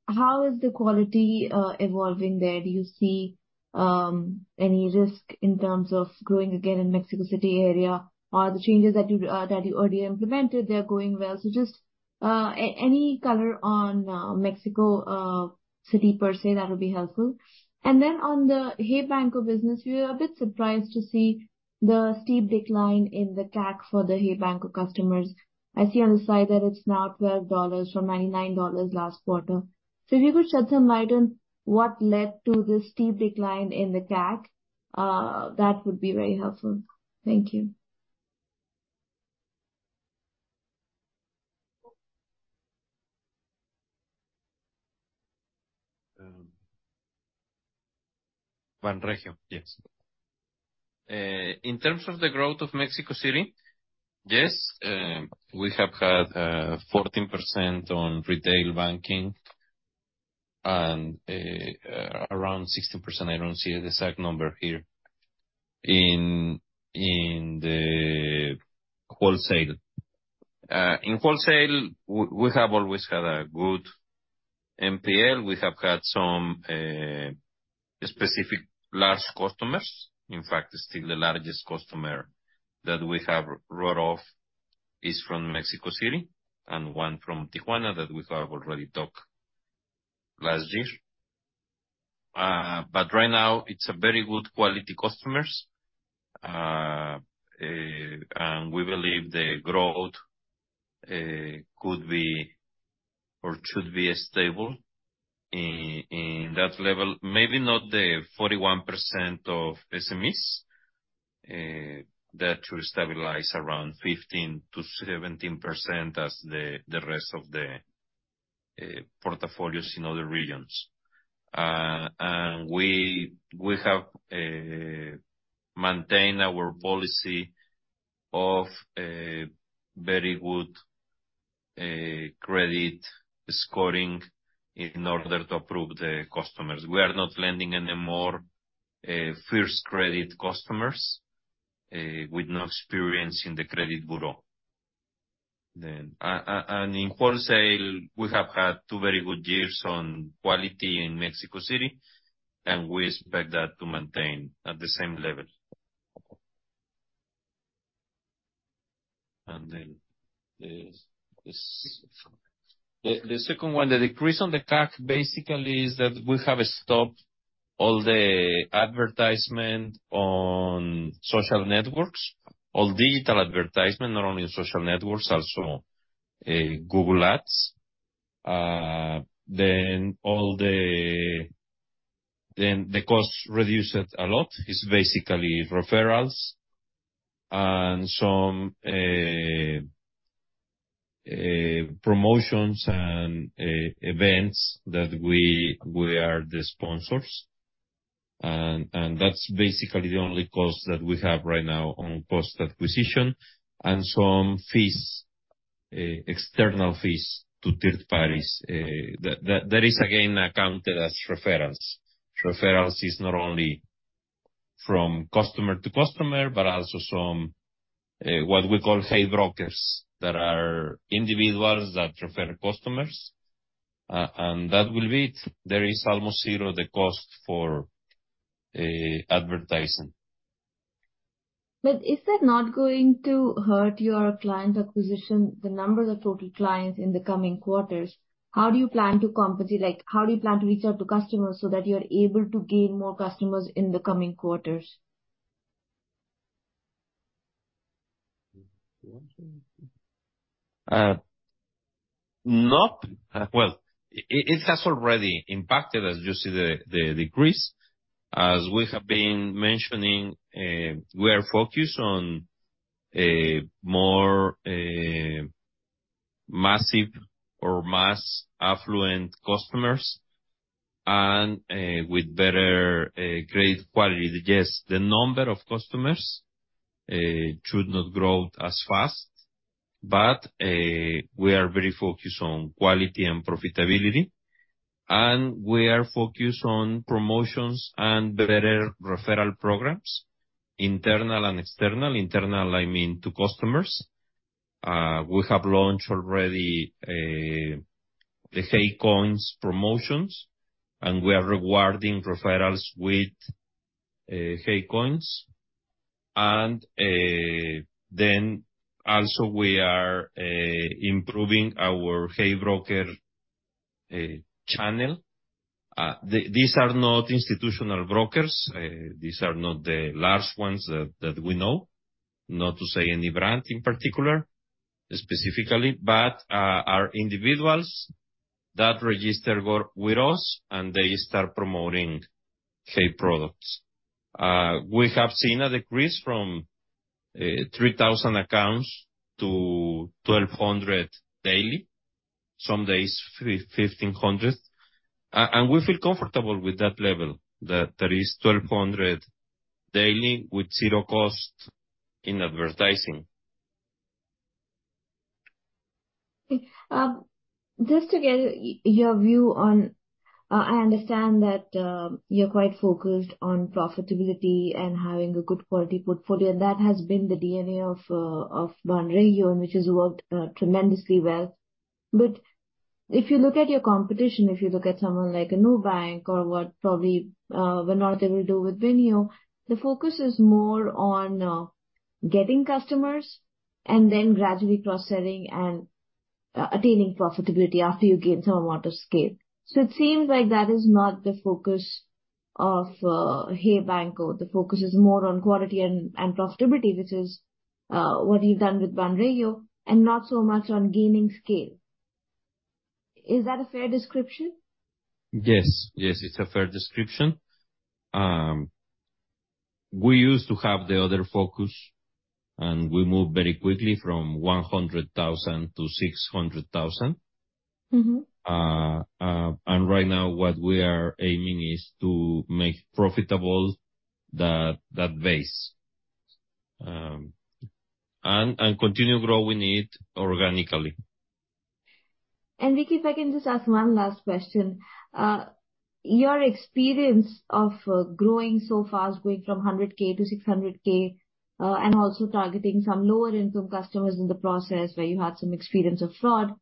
is the quality, evolving there? Do you see, any risk in terms of growing again in Mexico City area, or the changes that you, that you already implemented, they're going well? So just, any color on, Mexico City per se, that would be helpful. And then on the Hey Banco business, we were a bit surprised to see the steep decline in the CAC for the Hey Banco customers. I see on the side that it's now $12 from $99 last quarter. So if you could shed some light on what led to this steep decline in the CAC? That would be very helpful. Thank you. Banregio, yes. In terms of the growth of Mexico City, yes, we have had 14% on retail banking and around 16%, I don't see the exact number here, in the wholesale. In wholesale, we have always had a good NPL. We have had some specific large customers. In fact, still the largest customer that we have wrote off is from Mexico City, and one from Tijuana that we have already talked last year. But right now, it's a very good quality customers. And we believe the growth could be or should be stable in that level. Maybe not the 41% of SMEs that will stabilize around 15%-17% as the rest of the portfolios in other regions. We have maintained our policy of a very good credit scoring in order to approve the customers. We are not lending anymore first credit customers with no experience in the credit bureau. And in wholesale, we have had two very good years on quality in Mexico City, and we expect that to maintain at the same level. And then the second one, the decrease on the CAC, basically, is that we have stopped all the advertisement on social networks, all digital advertisement, not only on social networks, also Google Ads. Then the cost reduced a lot. It's basically referrals and some promotions and events that we are the sponsors. That's basically the only cost that we have right now on post-acquisition, and some fees, external fees to third parties. That is again accounted as referrals. Referrals is not only from customer to customer, but also from what we call Hey brokers, that are individuals that refer customers, and that will be it. There is almost zero, the cost for advertising. Is that not going to hurt your client acquisition, the number of total clients in the coming quarters? How do you plan to compensate... Like, how do you plan to reach out to customers so that you're able to gain more customers in the coming quarters? Well, it has already impacted, as you see the decrease. As we have been mentioning, we are focused on a more massive or mass affluent customers and with better great quality. Yes, the number of customers should not grow as fast, but we are very focused on quality and profitability, and we are focused on promotions and better referral programs, internal and external. Internal, I mean, to customers. We have launched already the Hey Coins promotions, and we are rewarding referrals with Hey Coins. And then also we are improving our Hey Broker channel. These are not institutional brokers, these are not the large ones that we know, not to say any brand in particular, specifically, but are individuals that register with us, and they start promoting Hey products. We have seen a decrease from 3,000 accounts to 1,200 daily, some days 1,500. And we feel comfortable with that level, that there is 1,200 daily with zero cost in advertising. Okay. Just to get your view on, I understand that you're quite focused on profitability and having a good quality portfolio, and that has been the DNA of Banregio, and which has worked tremendously well. But if you look at your competition, if you look at someone like a NuBank, or what probably Banorte will do with Nu, the focus is more on getting customers and then gradually cross-selling and attaining profitability after you gain some amount of scale. So it seems like that is not the focus of Hey Banco. The focus is more on quality and profitability, which is what you've done with Banregio, and not so much on gaining scale.... Is that a fair description? Yes, yes, it's a fair description. We used to have the other focus, and we moved very quickly from 100,000 to 600,000. Mm-hmm. Right now, what we are aiming is to make profitable that base. And continue growing it organically. Enrique, if I can just ask one last question. Your experience of growing so fast, going from 100K to 600K, and also targeting some lower income customers in the process, where you had some experience of fraud.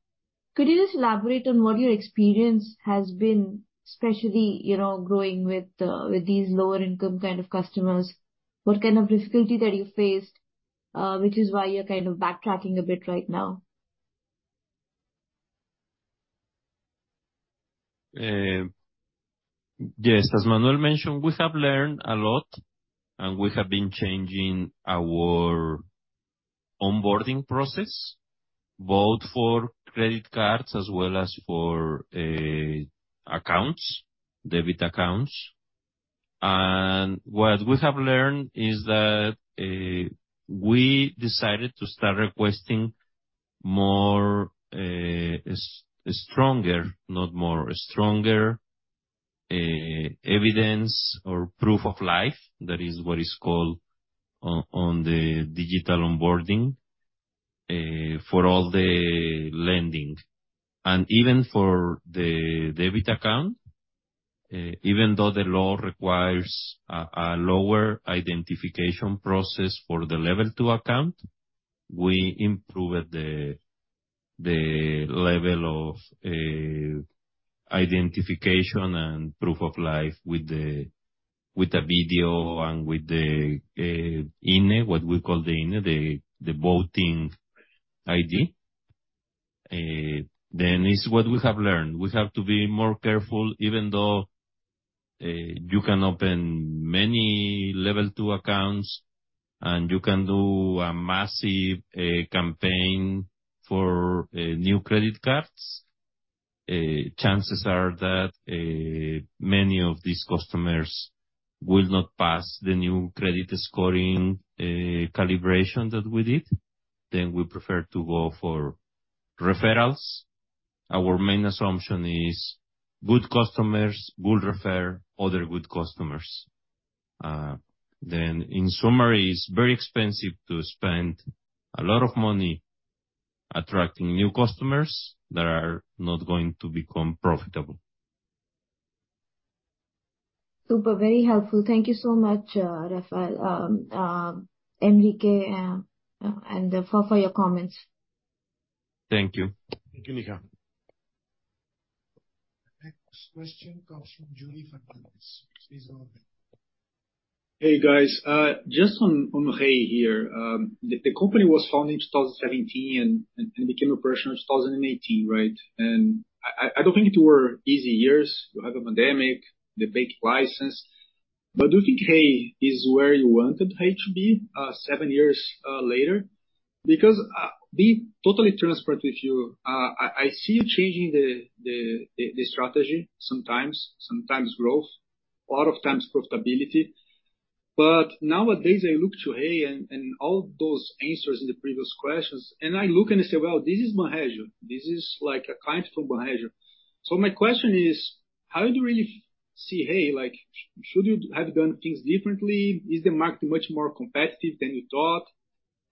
Could you just elaborate on what your experience has been, especially, you know, growing with these lower income kind of customers? What kind of difficulty that you faced, which is why you're kind of backtracking a bit right now? Yes, as Manuel mentioned, we have learned a lot, and we have been changing our onboarding process, both for credit cards as well as for accounts, debit accounts. And what we have learned is that we decided to start requesting stronger evidence or proof of life, that is what is called on the digital onboarding for all the lending. And even for the debit account, even though the law requires a lower identification process for the level two account, we improved the level of identification and proof of life with the video and with the INE, what we call the INE, the voting ID. Then it's what we have learned. We have to be more careful, even though you can open many level two accounts, and you can do a massive campaign for new credit cards, chances are that many of these customers will not pass the new credit scoring calibration that we did, then we prefer to go for referrals. Our main assumption is, good customers will refer other good customers. In summary, it's very expensive to spend a lot of money attracting new customers that are not going to become profitable. Super, very helpful. Thank you so much, Manuel, Enrique, and for your comments. Thank you. Thank you, Nika. Next question comes from Yuri Fernandes. Please go ahead. Hey, guys. Just on Hey here. The company was founded in 2017, and became operational in 2018, right? And I don't think it were easy years. You have a pandemic, the bank license, but do you think Hey is where you wanted Hey to be, seven years later? Because, being totally transparent with you, I see you changing the strategy sometimes, sometimes growth, a lot of times profitability. But nowadays, I look to Hey and all those answers in the previous questions, and I look and I say, "Well, this is Banregio. This is like a client from Banregio." So my question is: How do you really see Hey? Should you have done things differently? Is the market much more competitive than you thought?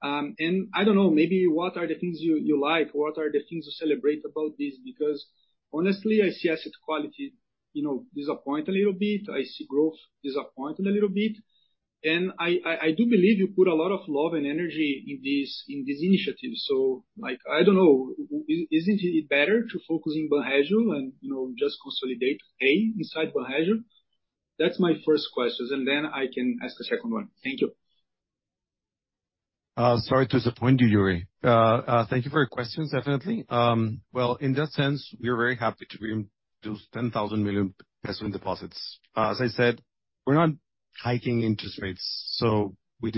And I don't know, maybe what are the things you like, what are the things you celebrate about this? Because honestly, I see asset quality, you know, disappoint a little bit. I see growth disappointing a little bit. And I do believe you put a lot of love and energy in this, in these initiatives. So, like, I don't know, isn't it better to focus in Banregio and, you know, just consolidate, Hey, inside Banregio? That's my first question, and then I can ask a second one. Thank you. Sorry to disappoint you, Yuri. Thank you for your questions, definitely. Well, in that sense, we are very happy to reintroduce 10 billion pesos in deposits. As I said, we're not hiking interest rates, so we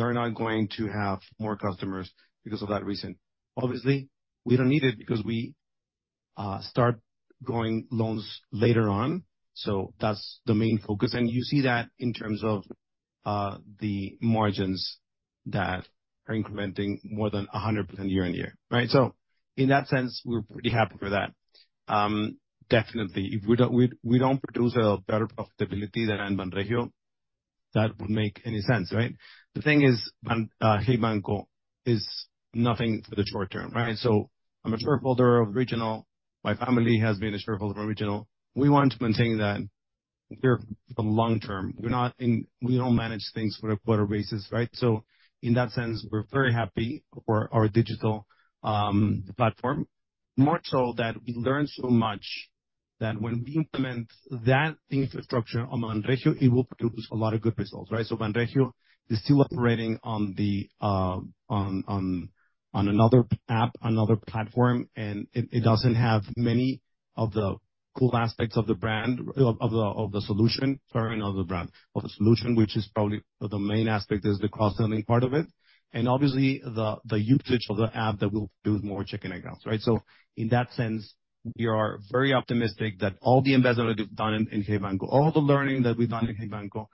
are not going to have more customers because of that reason. Obviously, we don't need it because we start growing loans later on, so that's the main focus. And you see that in terms of the margins that are incrementing more than 100% year-on-year, right? So in that sense, we're pretty happy for that. Definitely, if we don't produce a better profitability than in Banregio, that would make any sense, right? The thing is, Hey Banco is nothing for the short term, right? So I'm a shareholder of Regional. My family has been a shareholder of Regional. We want to maintain that we're the long term. We're not in we don't manage things for a quarter basis, right? So in that sense, we're very happy for our digital platform. More so that we learn so much that when we implement that infrastructure on Banregio, it will produce a lot of good results, right? So Banregio is still operating on the another app, another platform, and it doesn't have many of the-... Cool aspects of the brand, of the solution, sorry, not the brand, of the solution, which is probably the main aspect is the cross-selling part of it. And obviously, the usage of the app that will build more checking accounts, right? So in that sense, we are very optimistic that all the investment that we've done in Hey Banco, all the learning that we've done in Hey Banco,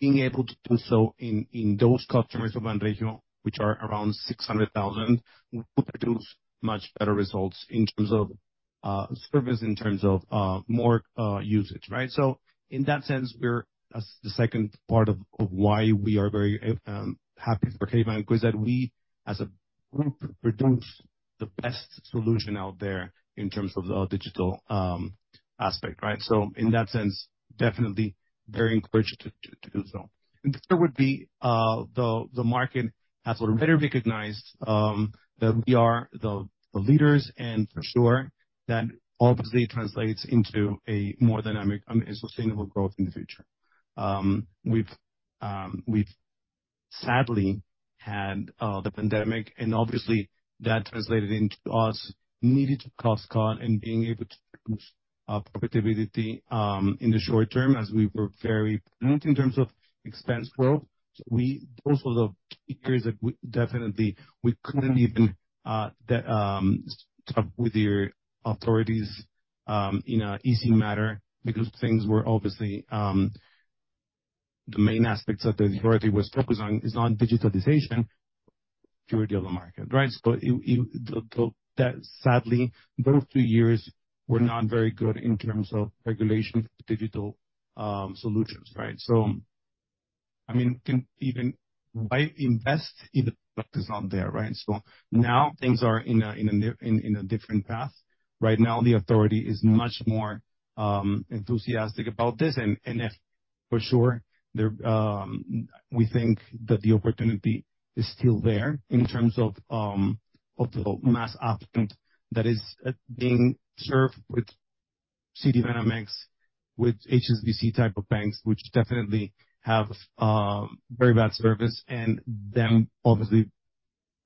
being able to do so in those customers of Banregio, which are around 600,000, will produce much better results in terms of service, in terms of more usage, right? So in that sense, we're, as the second part of why we are very happy for Hey Banco, is that we, as a group, produce the best solution out there in terms of the digital aspect, right? So in that sense, definitely very encouraged to do so. And there would be the market has better recognized that we are the leaders, and for sure, that obviously translates into a more dynamic and sustainable growth in the future. We've sadly had the pandemic, and obviously, that translated into us needing to cost cut and being able to boost our profitability in the short term, as we were very prudent in terms of expense growth. Those were the years that we definitely couldn't even talk with your authorities in an easy matter, because things were obviously... The main aspects that the authority was focused on is not digitalization, majority of the market, right? So, that sadly, those two years were not very good in terms of regulation for digital solutions, right? So, I mean, why even invest if the product is not there, right? So now things are in a different path. Right now, the authority is much more enthusiastic about this, and, for sure, we think that the opportunity is still there in terms of the mass affluent that is being served with Citibanamex, with HSBC type of banks, which definitely have very bad service, and they obviously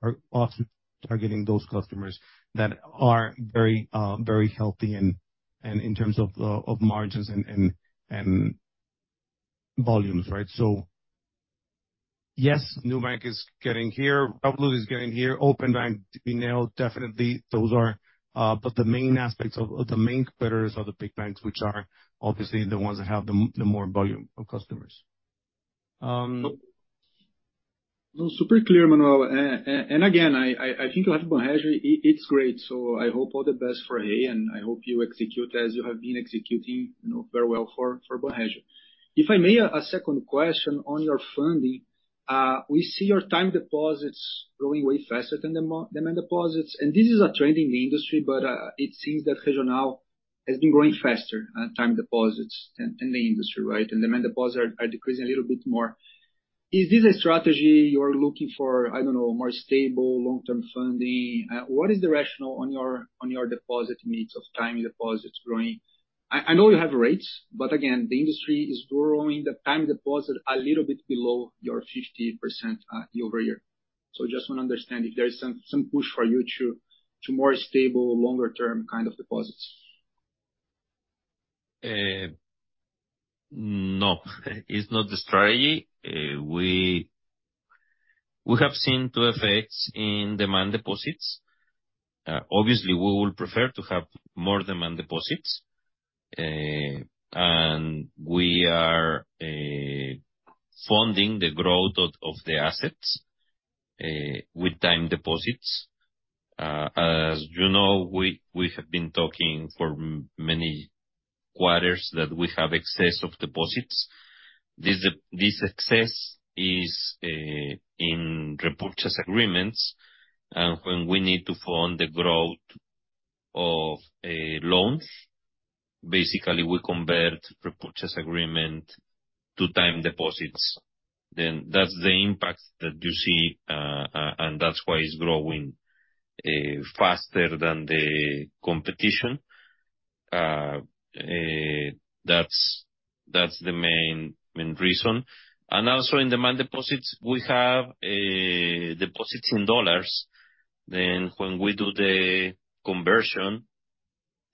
are also targeting those customers that are very healthy and, in terms of margins and volumes, right? So, yes, Nubank is getting here, Rappi is getting here, Openbank, we know definitely those are, but the main aspects of, the main competitors are the big banks, which are obviously the ones that have the more volume of customers. No, super clear, Manuel. And again, I think you have Banregio, it's great, so I hope all the best for Hey, and I hope you execute as you have been executing, you know, very well for Banregio. If I may, a second question on your funding. We see your time deposits growing way faster than demand deposits, and this is a trend in the industry, but it seems that Regional has been growing faster on time deposits in the industry, right? And demand deposits are decreasing a little bit more. Is this a strategy you're looking for, I don't know, more stable long-term funding? What is the rationale on your deposit mix of time deposits growing? I know you have rates, but again, the industry is growing the time deposit a little bit below your 50% year-over-year. So just want to understand if there is some push for you to more stable, longer term kind of deposits. No, it's not the strategy. We have seen two effects in demand deposits. Obviously, we would prefer to have more demand deposits, and we are funding the growth of the assets with time deposits. As you know, we have been talking for many quarters that we have excess of deposits. This excess is in repurchase agreements, and when we need to fund the growth of loans, basically we convert repurchase agreement to time deposits. Then that's the impact that you see, and that's why it's growing faster than the competition. That's the main reason. And also, in demand deposits, we have deposits in dollars. Then when we do the conversion,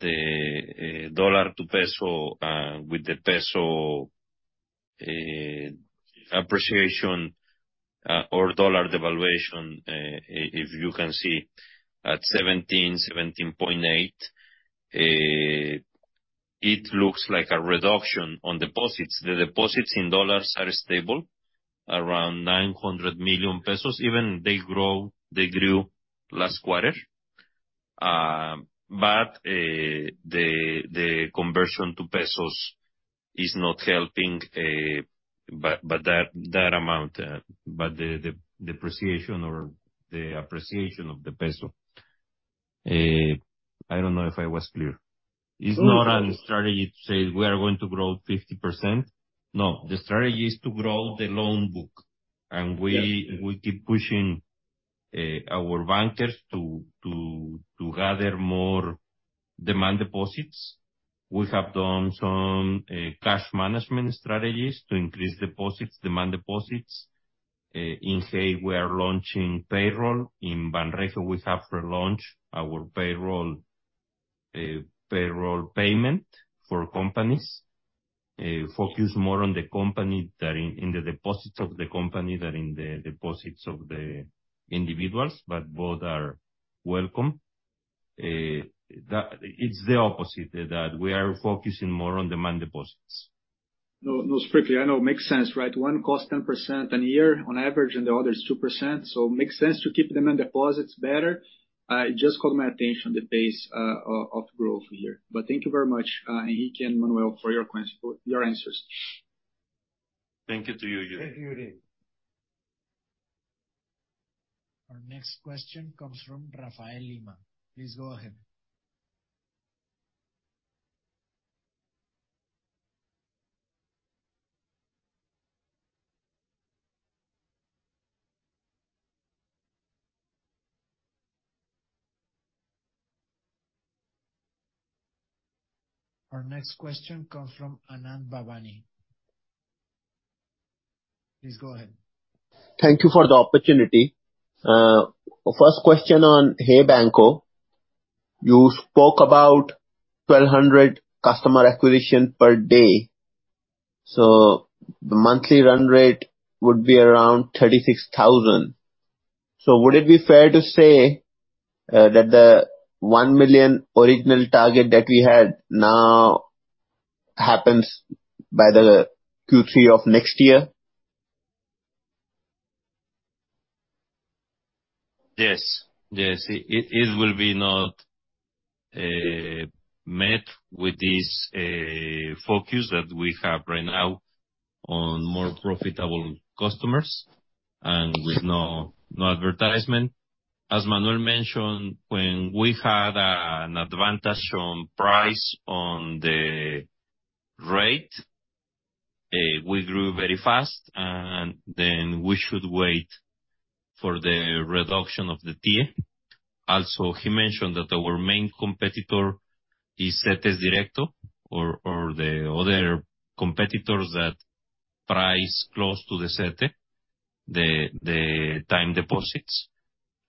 the dollar to peso, with the peso appreciation, or dollar devaluation, if you can see at 17, 17.8, it looks like a reduction on deposits. The deposits in dollars are stable, around 900 million pesos. Even they grew last quarter. But the conversion to pesos is not helping, but that amount, but the depreciation or the appreciation of the peso. I don't know if I was clear. No, no- It's not a strategy to say we are going to grow 50%. No, the strategy is to grow the loan book, and we- Yes. We keep pushing our bankers to gather more demand deposits. We have done some cash management strategies to increase deposits, demand deposits.... In Hey, we are launching payroll. In Banregio, we have relaunched our payroll, payroll payment for companies, focus more on the company that in, in the deposits of the company than in the deposits of the individuals, but both are welcome. It's the opposite, that we are focusing more on demand deposits. No, no, strictly, I know, it makes sense, right? One costs 10% a year on average, and the other is 2%, so it makes sense to keep the demand deposits better. It just caught my attention, the pace of growth here. But thank you very much, Enrique and Manuel, for your answers. Thank you to you, Yuri. Thank you, Yuri. Our next question comes from Rafael Lima. Please go ahead. Our next question comes from Anand Bhavnani. Please go ahead. Thank you for the opportunity. First question on Hey Banco. You spoke about 1,200 customer acquisition per day, so the monthly run rate would be around 36,000. So would it be fair to say that the 1 million original target that we had now happens by the Q3 of next year? Yes. Yes, it will be not met with this focus that we have right now on more profitable customers and with no advertisement. As Manuel mentioned, when we had an advantage on price on the rate, we grew very fast, and then we should wait for the reduction of the TIIE. Also, he mentioned that our main competitor is CetesDirecto or the other competitors that price close to the Cete, the time deposits.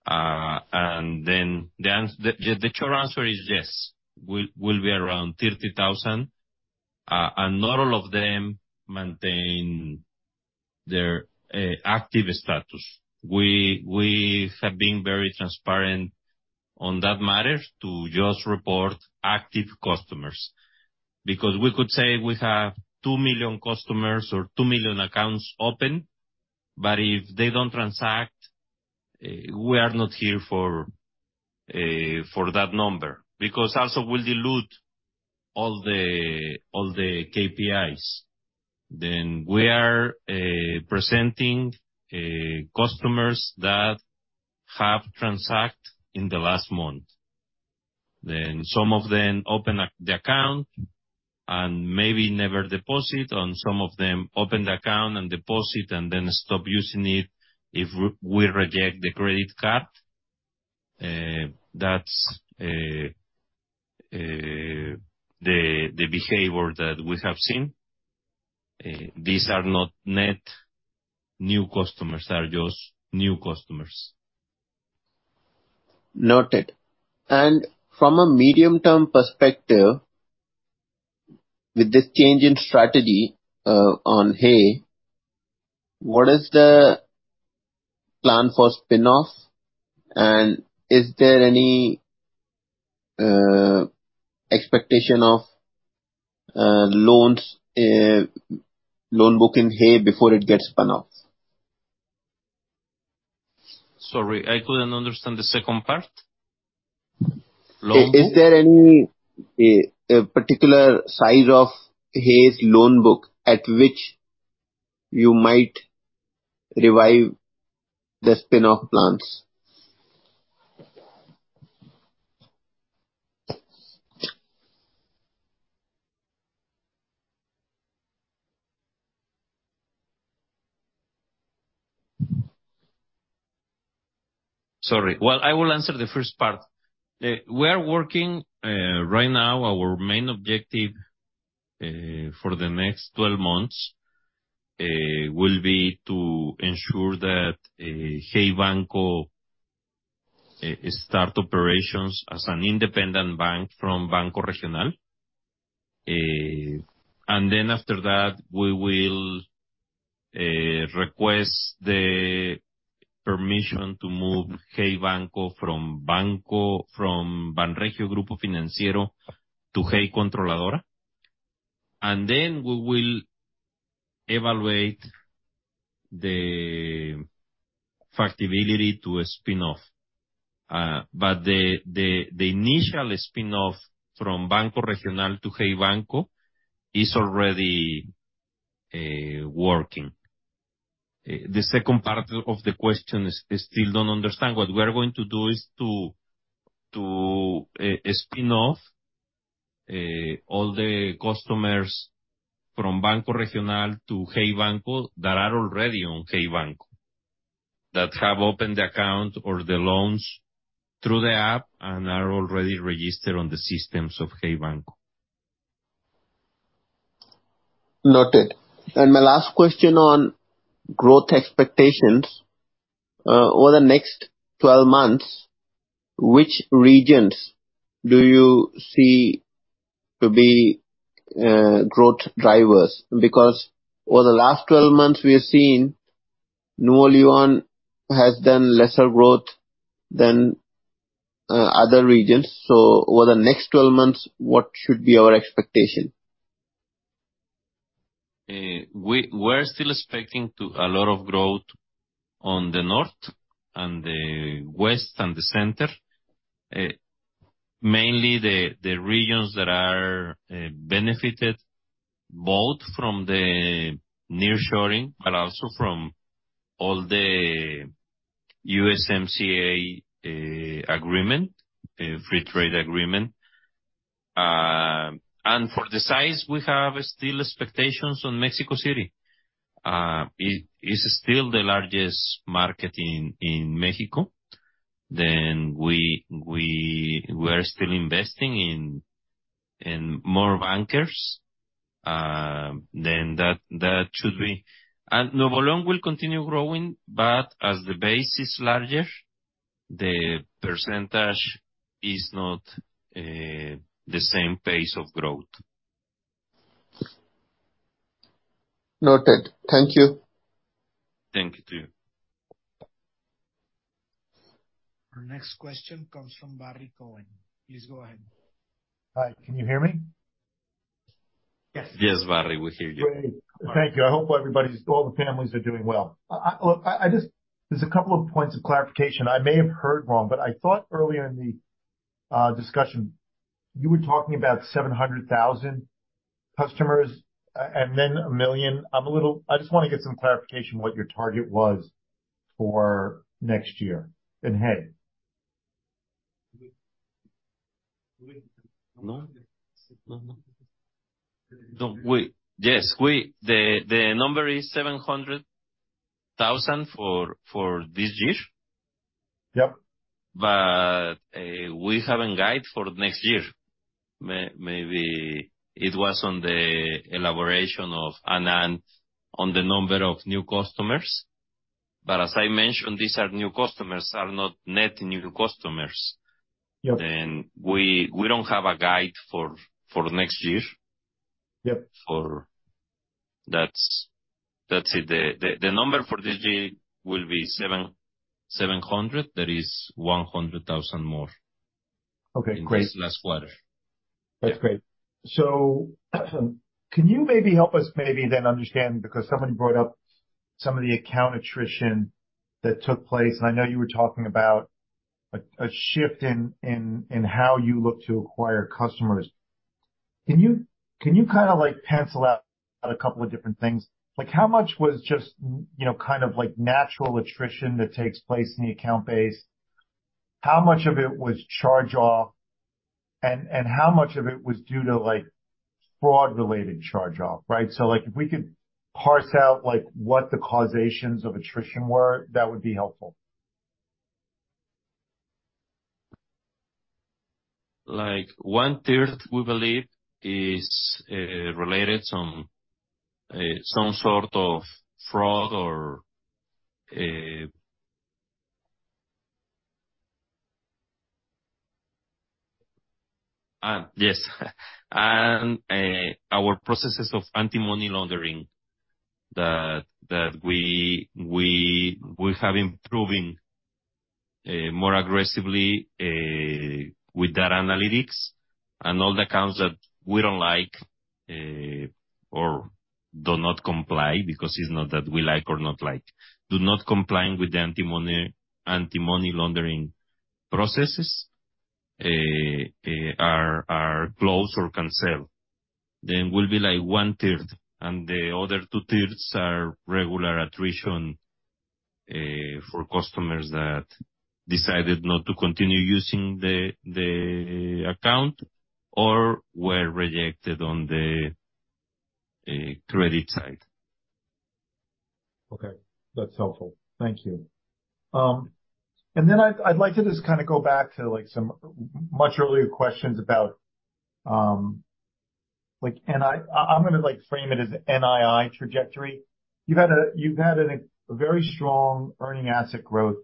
And then the short answer is yes, will be around 30,000, and not all of them maintain their active status. We have been very transparent on that matter to just report active customers, because we could say we have two million customers or two million accounts open, but if they don't transact, we are not here for that number, because also we'll dilute all the KPIs. We are presenting customers that have transacted in the last month. Some of them open up the account and maybe never deposit, and some of them open the account and deposit and then stop using it if we reject the credit card. That's the behavior that we have seen. These are not net new customers, they are just new customers. Noted. From a medium-term perspective, with this change in strategy on Hey, what is the plan for spin-off, and is there any expectation of loan book in Hey before it gets spun off? Sorry, I couldn't understand the second part. Loan book? Is there any particular size of Hey's loan book at which you might revive the spin-off plans? Sorry. Well, I will answer the first part. We are working right now, our main objective for the next 12 months will be to ensure that Hey Banco start operations as an independent bank from Banco Regional. And then after that, we will request the permission to move Hey Banco from Banco, from Banregio Grupo Financiero to Hey Controladora. And then, we will evaluate the feasibility to a spin-off. But the initial spin-off from Banco Regional to Hey Banco is already working. The second part of the question, I still don't understand. What we are going to do is to spin off all the customers from Banco Regional to Hey Banco that are already on Hey Banco that have opened the account or the loans through the app and are already registered on the systems of Hey Banco.... Noted. My last question on growth expectations. Over the next 12 months, which regions do you see to be growth drivers? Because over the last 12 months, we have seen Nuevo León has done lesser growth than other regions. Over the next 12 months, what should be our expectation? We're still expecting a lot of growth on the north and the west and the center. Mainly the regions that are benefited both from the nearshoring, but also from all the USMCA agreement, free trade agreement. And for the size, we have still expectations on Mexico City. It is still the largest market in Mexico. Then we're still investing in more anchors, then that should be... And Nuevo León will continue growing, but as the base is larger, the percentage is not the same pace of growth. Noted. Thank you. Thank you, too. Our next question comes from Barry Cohen. Please go ahead. Hi, can you hear me? Yes, Barry, we hear you. Great. Thank you. I hope everybody's, all the families are doing well. Look, I just. There's a couple of points of clarification. I may have heard wrong, but I thought earlier in the discussion, you were talking about 700,000 customers, and then one million. I'm a little. I just want to get some clarification what your target was for next year, and ahead. No, no, no. Don't we— Yes, we... The number is 700,000 for this year. Yep. But, we haven't guide for next year. Maybe it was on the elaboration of Anand on the number of new customers, but as I mentioned, these are new customers, are not net new customers. Yep. We don't have a guide for next year. Yep. That's it. The number for this year will be 700, that is 100,000 more. Okay, great. In this last quarter. That's great. So can you maybe help us maybe then understand, because somebody brought up some of the account attrition that took place, and I know you were talking about a shift in how you look to acquire customers. Can you kind of, like, pencil out a couple of different things? Like, how much was just, you know, kind of like natural attrition that takes place in the account base? How much of it was charge-off, and how much of it was due to, like, fraud-related charge-off, right? So, like, if we could parse out, like, what the causations of attrition were, that would be helpful. Like, 1/3, we believe is related to some sort of fraud or. And our processes of anti-money laundering that we have improving more aggressively with that analytics and all the accounts that we don't like or do not comply, because it's not that we like or not like. Do not complying with the anti-money laundering processes are closed or canceled. Then will be, like, 1/3, and the other 2/3 are regular attrition for customers that decided not to continue using the account or were rejected on the credit side. Okay. That's helpful. Thank you. And then I'd, I'd like to just kind of go back to, like, some much earlier questions about, like, and I, I'm gonna, like, frame it as NII trajectory. You've had a very strong earning asset growth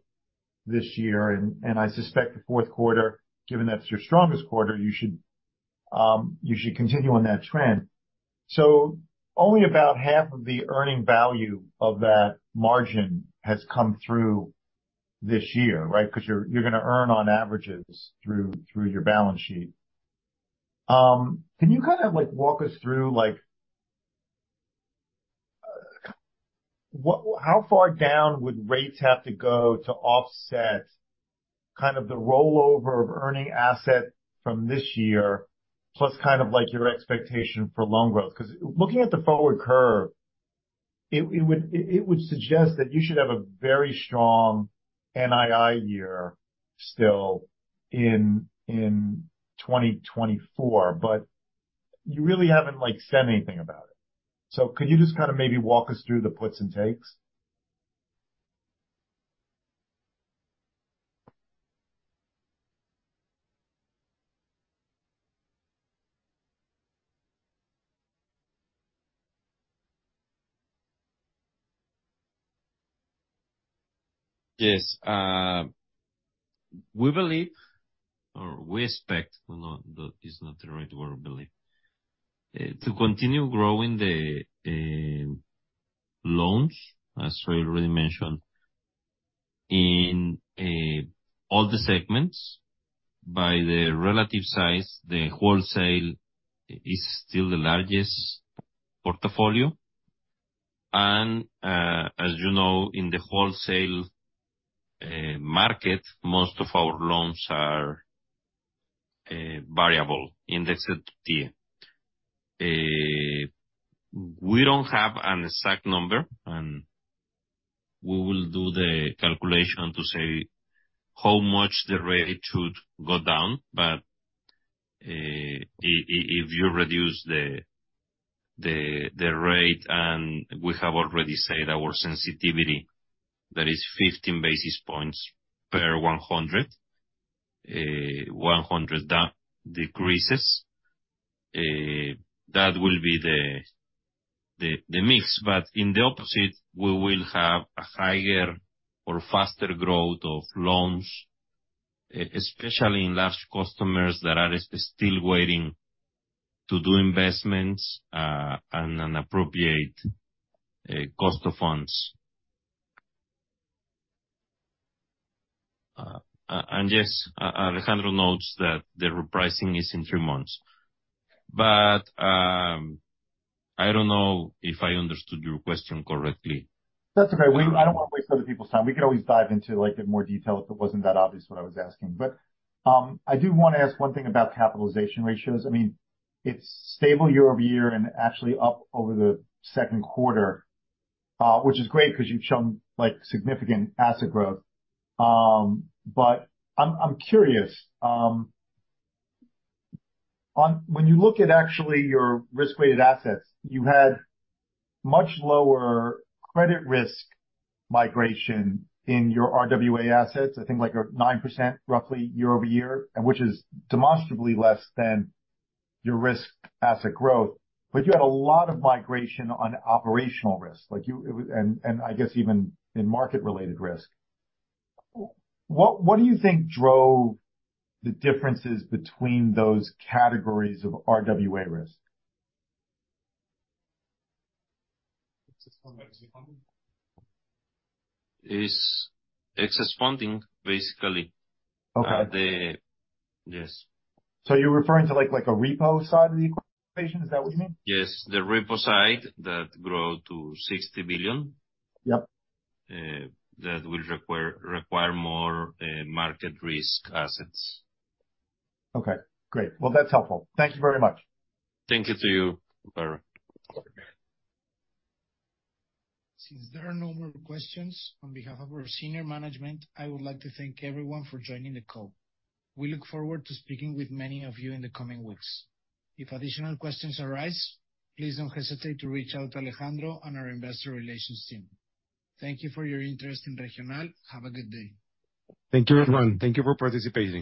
this year, and I suspect the fourth quarter, given that's your strongest quarter, you should continue on that trend. So only about half of the earning value of that margin has come through this year, right? Because you're gonna earn on averages through your balance sheet. Can you kind of, like, walk us through, like, how far down would rates have to go to offset kind of the rollover of earning asset from this year, plus kind of like your expectation for loan growth? Because looking at the forward curve, it would suggest that you should have a very strong NII year still in 2024, but you really haven't, like, said anything about it. So could you just kind of maybe walk us through the puts and takes? ... Yes, we believe or we expect, no, that is not the right word, believe, to continue growing the loans, as we already mentioned, in all the segments. By the relative size, the wholesale is still the largest portfolio, and, as you know, in the wholesale market, most of our loans are variable, indexed to T. We don't have an exact number, and we will do the calculation to say how much the rate should go down. But, if you reduce the rate, and we have already said our sensitivity, that is 15 basis points per 100, 100 decreases, that will be the mix. But in the opposite, we will have a higher or faster growth of loans, especially in large customers that are still waiting to do investments at an appropriate cost of funds. And yes, Alejandro notes that the repricing is in three months. But, I don't know if I understood your question correctly. That's okay. I don't wanna waste other people's time. We could always dive into, like, in more detail if it wasn't that obvious what I was asking. But, I do wanna ask one thing about capitalization ratios. I mean, it's stable year-over-year, and actually up over the second quarter, which is great, 'cause you've shown, like, significant asset growth. But I'm curious on when you look at actually your risk-weighted assets, you had much lower credit risk migration in your RWA assets, I think, like, 9%, roughly year-over-year, and which is demonstrably less than your risk asset growth. But you had a lot of migration on operational risk, like, you. And I guess even in market-related risk. What do you think drove the differences between those categories of RWA risk? Is excess funding, basically. Okay. Yes. So you're referring to, like, a repo side of the equation? Is that what you mean? Yes. The repo side that grow to 60 billion. Yep. That will require more market risk assets. Okay, great. Well, that's helpful. Thank you very much. Thank you to you, Barry. Since there are no more questions, on behalf of our senior management, I would like to thank everyone for joining the call. We look forward to speaking with many of you in the coming weeks. If additional questions arise, please don't hesitate to reach out to Alejandro and our investor relations team. Thank you for your interest in Regional. Have a good day. Thank you, everyone. Thank you for participating.